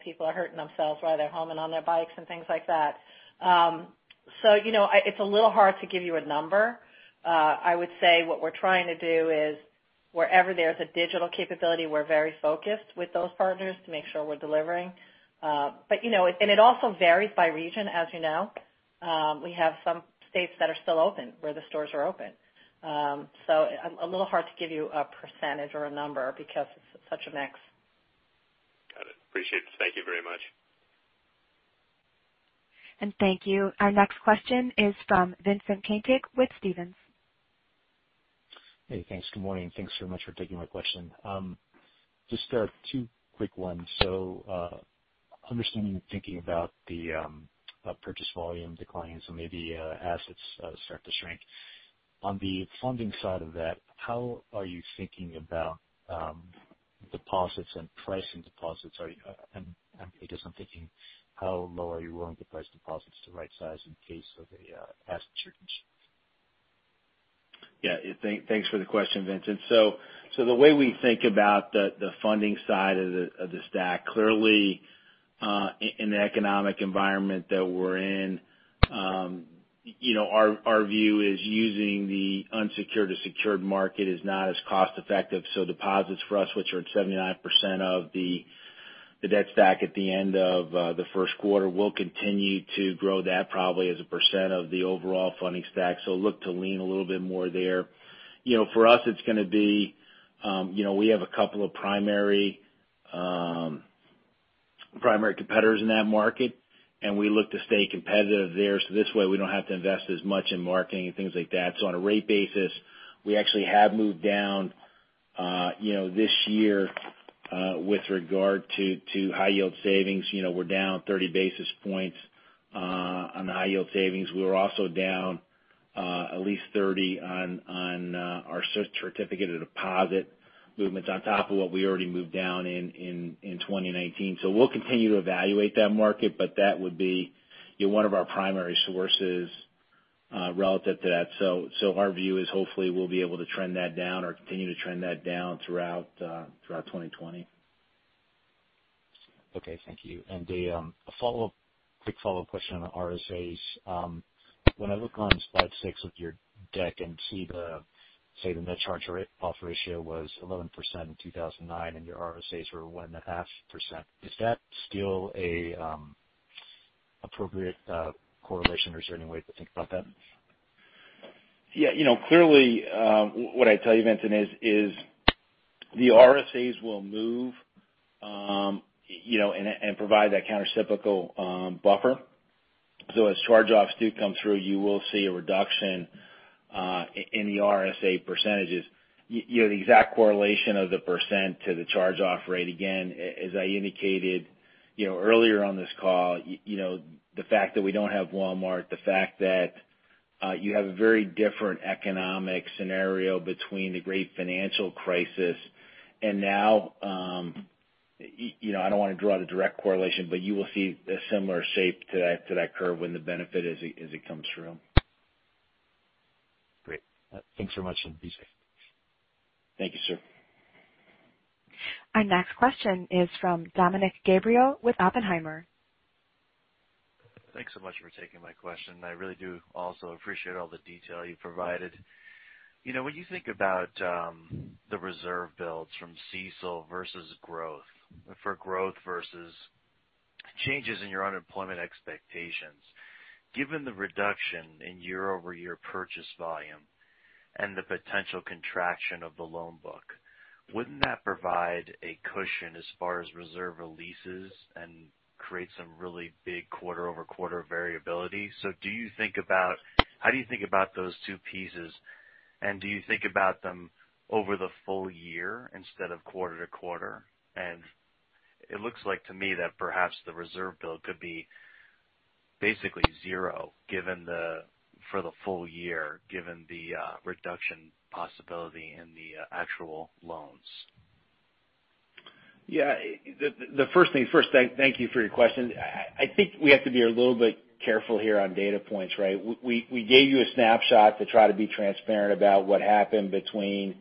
People are hurting themselves while they're home and on their bikes and things like that. It's a little hard to give you a number. I would say what we're trying to do is wherever there's a digital capability, we're very focused with those partners to make sure we're delivering. It also varies by region, as you know. We have some states that are still open, where the stores are open. A little hard to give you a percentage or a number because it's such a mix. Got it. Appreciate it. Thank you very much. Thank you. Our next question is from Vincent Caintic with Stephens. Hey, thanks. Good morning. Thanks so much for taking my question. Just two quick ones. Understanding you're thinking about the purchase volume declines and maybe assets start to shrink. On the funding side of that, how are you thinking about deposits and pricing deposits? I guess I'm thinking how low are you willing to price deposits to right size in case of a asset churn? Yeah. Thanks for the question, Vincent. The way we think about the funding side of the stack, clearly, in the economic environment that we're in, our view is using the unsecured to secured market is not as cost effective. Deposits for us, which are at 79% of the debt stack at the end of the first quarter, we'll continue to grow that probably as a percent of the overall funding stack. Look to lean a little bit more there. For us, it's going to be we have a couple of primary competitors in that market, and we look to stay competitive there. This way we don't have to invest as much in marketing and things like that. On a rate basis, we actually have moved down this year with regard to high yield savings. We're down 30 basis points on the high yield savings. We're also down at least 30 on our certificate of deposit movements on top of what we already moved down in 2019. We'll continue to evaluate that market, but that would be one of our primary sources relative to that. Our view is hopefully we'll be able to trend that down or continue to trend that down throughout 2020. Okay. Thank you. A quick follow-up question on RSAs. When I look on slide six of your deck and see the, say, the net charge rate buffer ratio was 11% in 2009 and your RSAs were 1.5%, is that still an appropriate correlation, or is there any way to think about that? Yeah. Clearly, what I'd tell you, Vincent, is the RSAs will move and provide that countercyclical buffer. As charge-offs do come through, you will see a reduction in the RSA percentages. The exact correlation of the percent to the charge-off rate, again, as I indicated earlier on this call, the fact that we don't have Walmart, the fact that you have a very different economic scenario between the Great Financial Crisis and now. I don't want to draw the direct correlation, you will see a similar shape to that curve when the benefit as it comes through. Great. Thanks so much, and be safe. Thank you, sir. Our next question is from Dominick Gabriele with Oppenheimer. Thanks so much for taking my question. I really do also appreciate all the detail you provided. When you think about the reserve builds from CECL versus growth-- for growth versus changes in your unemployment expectations, given the reduction in year-over-year purchase volume and the potential contraction of the loan book, wouldn't that provide a cushion as far as reserve releases and create some really big quarter-over-quarter variability? How do you think about those two pieces, and do you think about them over the full year instead of quarter-to-quarter? It looks like to me that perhaps the reserve build could be basically zero for the full year, given the reduction possibility in the actual loans. Yeah. The first thing first, thank you for your question. I think we have to be a little bit careful here on data points, right? We gave you a snapshot to try to be transparent about what happened between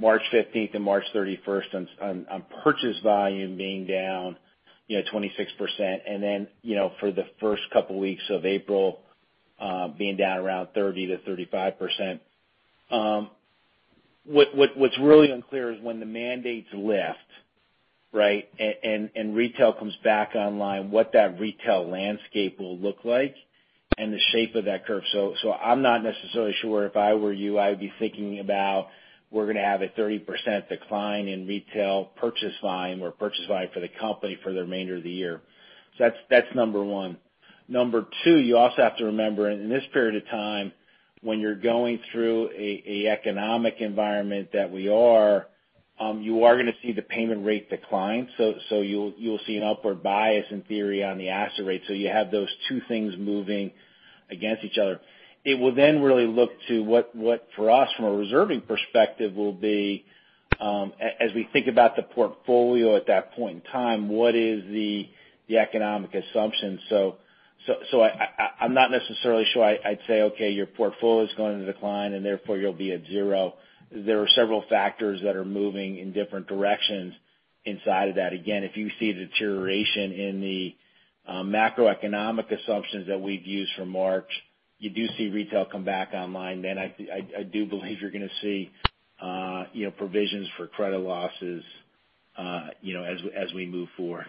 March 15th and March 31st on purchase volume being down 26%, and then for the first couple of weeks of April being down around 30%-35%. What's really unclear is when the mandates lift, right? Retail comes back online, what that retail landscape will look like and the shape of that curve. I'm not necessarily sure if I were you, I would be thinking about we're going to have a 30% decline in retail purchase volume or purchase volume for the company for the remainder of the year. That's number one. Number two, you also have to remember in this period of time, when you're going through an economic environment that we are, you are going to see the payment rate decline. You'll see an upward bias in theory on the asset rate. You have those two things moving against each other. It will really look to what for us from a reserving perspective will be as we think about the portfolio at that point in time, what is the economic assumption? I'm not necessarily sure I'd say, okay, your portfolio is going to decline and therefore you'll be at zero. There are several factors that are moving in different directions inside of that. If you see deterioration in the macroeconomic assumptions that we've used for March, you do see retail come back online, then I do believe you're going to see provisions for credit losses as we move forward.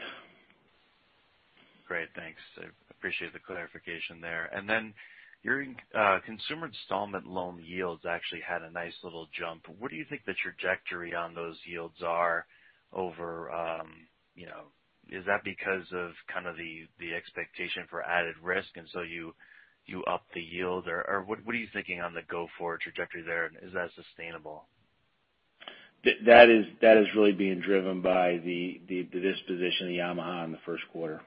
Great, thanks. I appreciate the clarification there. Your consumer installment loan yields actually had a nice little jump. What do you think the trajectory on those yields are? Is that because of kind of the expectation for added risk, you up the yield or what are you thinking on the go forward trajectory there? Is that sustainable? That is really being driven by the disposition of Yamaha in the first quarter.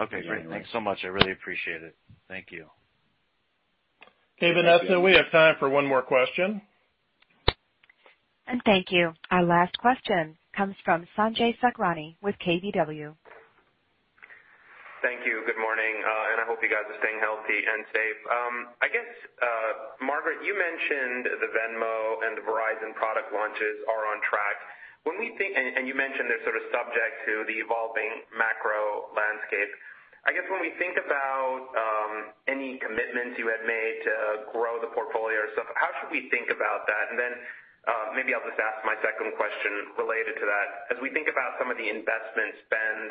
Okay, great. Thanks so much. I really appreciate it. Thank you. Okay, Vanessa, we have time for one more question. Thank you. Our last question comes from Sanjay Sakhrani with KBW. Thank you. Good morning, and I hope you guys are staying healthy and safe. Margaret, you mentioned the Venmo and the Verizon product launches are on track. You mentioned they're subject to the evolving macro landscape. When we think about any commitments you had made to grow the portfolio or stuff, how should we think about that? Maybe I'll just ask my second question related to that. As we think about some of the investment spend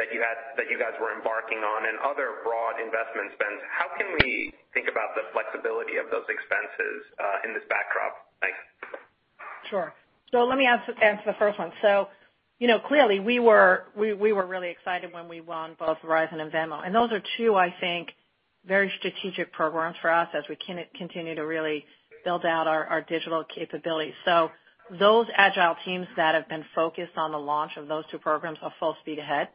that you guys were embarking on and other broad investment spends, how can we think about the flexibility of those expenses in this backdrop? Thanks. Sure. Let me answer the first one. Clearly we were really excited when we won both Verizon and Venmo. Those are two, I think, very strategic programs for us as we continue to really build out our digital capabilities. Those agile teams that have been focused on the launch of those two programs are full speed ahead,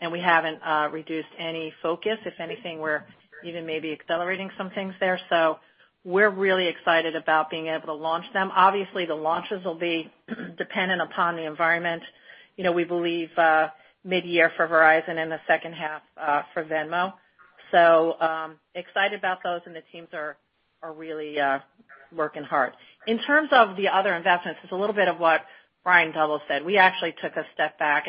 and we haven't reduced any focus. If anything, we're even maybe accelerating some things there. We're really excited about being able to launch them. Obviously, the launches will be dependent upon the environment. We believe mid-year for Verizon and the second half for Venmo. Excited about those and the teams are really working hard. In terms of the other investments, it's a little bit of what Brian Doubles said. We actually took a step back.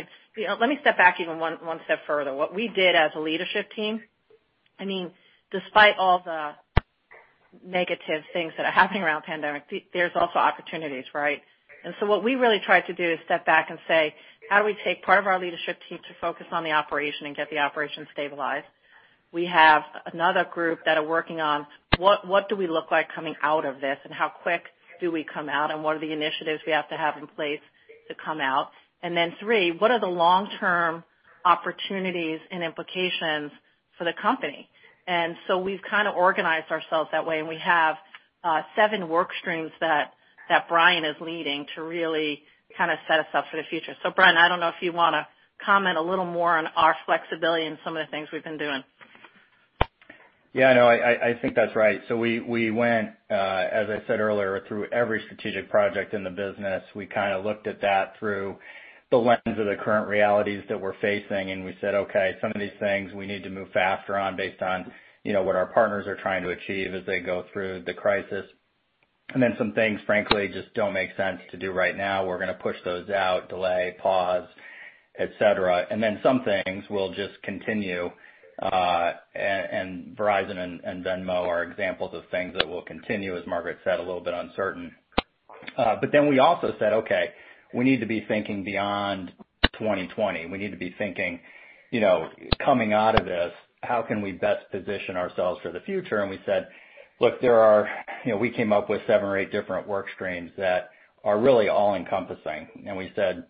Let me step back even one step further. What we did as a leadership team, despite all the negative things that are happening around pandemic, there's also opportunities, right? What we really tried to do is step back and say, how do we take part of our leadership team to focus on the operation and get the operation stabilized? We have another group that are working on what do we look like coming out of this and how quick do we come out and what are the initiatives we have to have in place to come out? Three, what are the long-term opportunities and implications for the company? We've kind of organized ourselves that way, and we have seven work streams that Brian is leading to really kind of set us up for the future. Brian, I don't know if you want to comment a little more on our flexibility and some of the things we've been doing. No, I think that's right. We went as I said earlier, through every strategic project in the business. We kind of looked at that through the lens of the current realities that we're facing, and we said, okay, some of these things we need to move faster on based on what our partners are trying to achieve as they go through the crisis. Some things frankly, just don't make sense to do right now. We're going to push those out, delay, pause, et cetera. Some things will just continue. Verizon and Venmo are examples of things that will continue, as Margaret said, a little bit uncertain. We also said, okay, we need to be thinking beyond 2020. We need to be thinking, coming out of this, how can we best position ourselves for the future? We said, look, we came up with seven or eight different work streams that are really all-encompassing. We said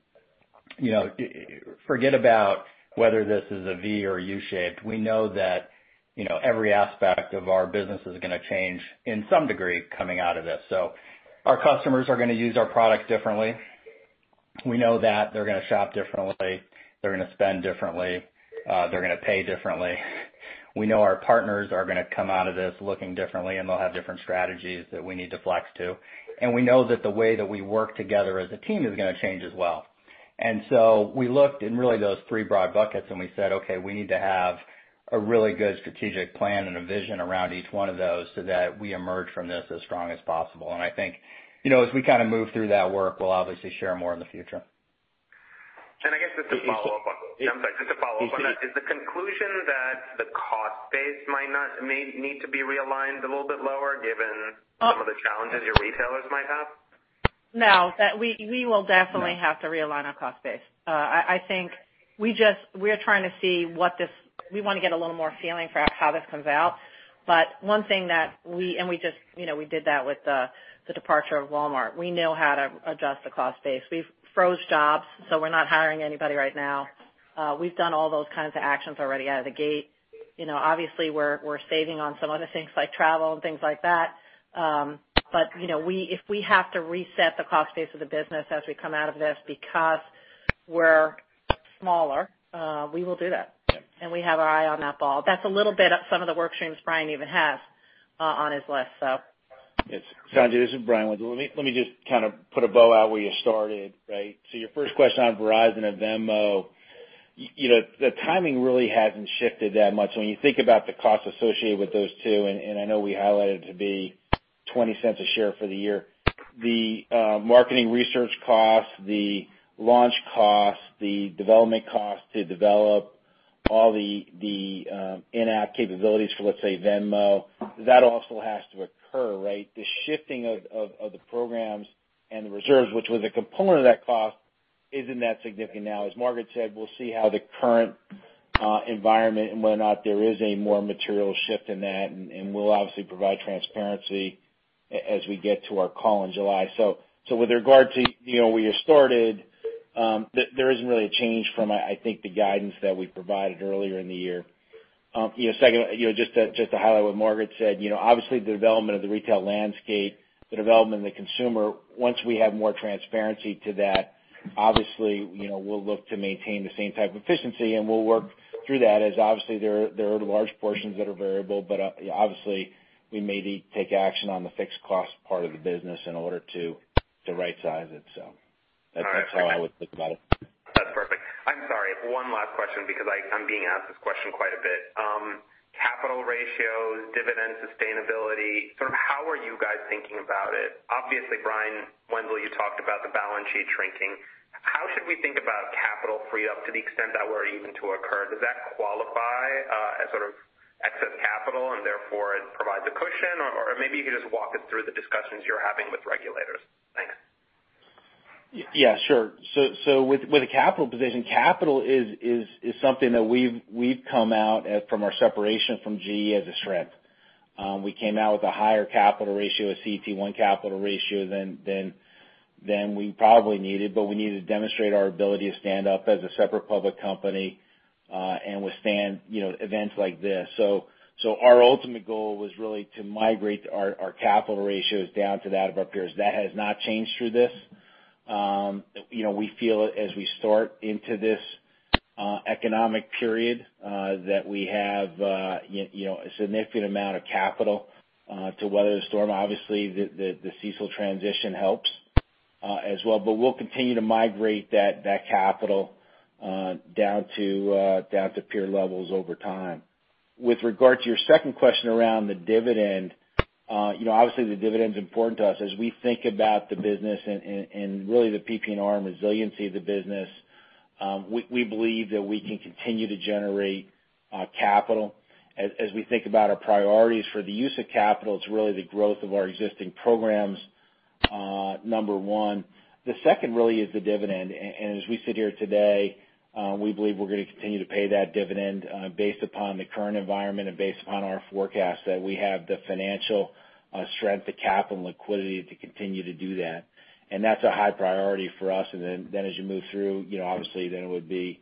forget about whether this is a V or a U-shaped. We know that every aspect of our business is going to change in some degree coming out of this. Our customers are going to use our products differently. We know that they're going to shop differently. They're going to spend differently. They're going to pay differently. We know our partners are going to come out of this looking differently, and they'll have different strategies that we need to flex to. We know that the way that we work together as a team is going to change as well. We looked in really those three broad buckets and we said, okay, we need to have a really good strategic plan and a vision around each one of those so that we emerge from this as strong as possible. I think as we kind of move through that work, we'll obviously share more in the future. Just to follow up on that, is the conclusion that the cost base might need to be realigned a little bit lower given some of the challenges your retailers might have? No. We will definitely have to realign our cost base. We want to get a little more feeling for how this comes out. One thing that we, and we did that with the departure of Walmart. We know how to adjust the cost base. We've froze jobs, so we're not hiring anybody right now. We've done all those kinds of actions already out of the gate. Obviously, we're saving on some of the things like travel and things like that. If we have to reset the cost base of the business as we come out of this because we're smaller, we will do that. We have our eye on that ball. That's a little bit of some of the work streams Brian even has on his list. Yes. Sanjay, this is Brian Wenzel. Let me just kind of put a bow out where you started, right? Your first question on Verizon and Venmo, the timing really hasn't shifted that much. When you think about the cost associated with those two, and I know we highlighted it to be $0.20 a share for the year. The marketing research cost, the launch cost, the development cost to develop all the in-app capabilities for, let's say, Venmo, that also has to occur, right? The shifting of the programs and the reserves, which was a component of that cost, isn't that significant now. As Margaret said, we'll see how the current environment and whether or not there is a more material shift in that, and we'll obviously provide transparency as we get to our call in July. With regard to where you started, there isn't really a change from, I think, the guidance that we provided earlier in the year. Second, just to highlight what Margaret said, obviously the development of the retail landscape, the development of the consumer, once we have more transparency to that, obviously, we'll look to maintain the same type of efficiency, and we'll work through that as obviously there are large portions that are variable. Obviously we may need to take action on the fixed cost part of the business in order to right size it. That's how I would think about it. That's perfect. I'm sorry, one last question because I'm being asked this question quite a bit. Capital ratios, dividend sustainability, sort of how are you guys thinking about it? Obviously, Brian Wenzel, you talked about the balance sheet shrinking. How should we think about capital free-up to the extent that were even to occur? Does that qualify as sort of excess capital and therefore it provides a cushion? Or maybe you could just walk us through the discussions you're having with regulators. Thanks. Yeah, sure. With the capital position, capital is something that we've come out from our separation from GE as a strength. We came out with a higher capital ratio, a CET1 capital ratio than we probably needed, but we needed to demonstrate our ability to stand up as a separate public company, and withstand events like this. Our ultimate goal was really to migrate our capital ratios down to that of our peers. That has not changed through this. We feel as we start into this economic period that we have a significant amount of capital to weather the storm. Obviously, the CECL transition helps as well. We'll continue to migrate that capital down to peer levels over time. With regard to your second question around the dividend, obviously the dividend's important to us. As we think about the business and really the PPNR and resiliency of the business, we believe that we can continue to generate capital. As we think about our priorities for the use of capital, it's really the growth of our existing programs, number one. The second really is the dividend. As we sit here today, we believe we're going to continue to pay that dividend, based upon the current environment and based upon our forecast that we have the financial strength, the capital and liquidity to continue to do that. That's a high priority for us. Then as you move through, obviously then it would be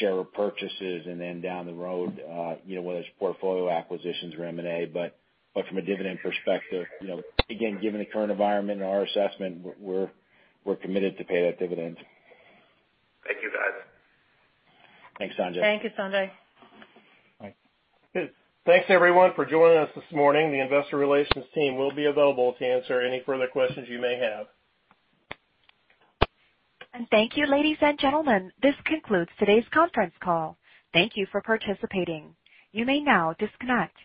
share repurchases and then down the road, whether it's portfolio acquisitions or M&A. From a dividend perspective, again, given the current environment and our assessment, we're committed to pay that dividend. Thank you, guys. Thanks, Sanjay. Thank you, Sanjay. Bye. Thanks everyone for joining us this morning. The investor relations team will be available to answer any further questions you may have. Thank you, ladies and gentlemen. This concludes today's conference call. Thank you for participating. You may now disconnect.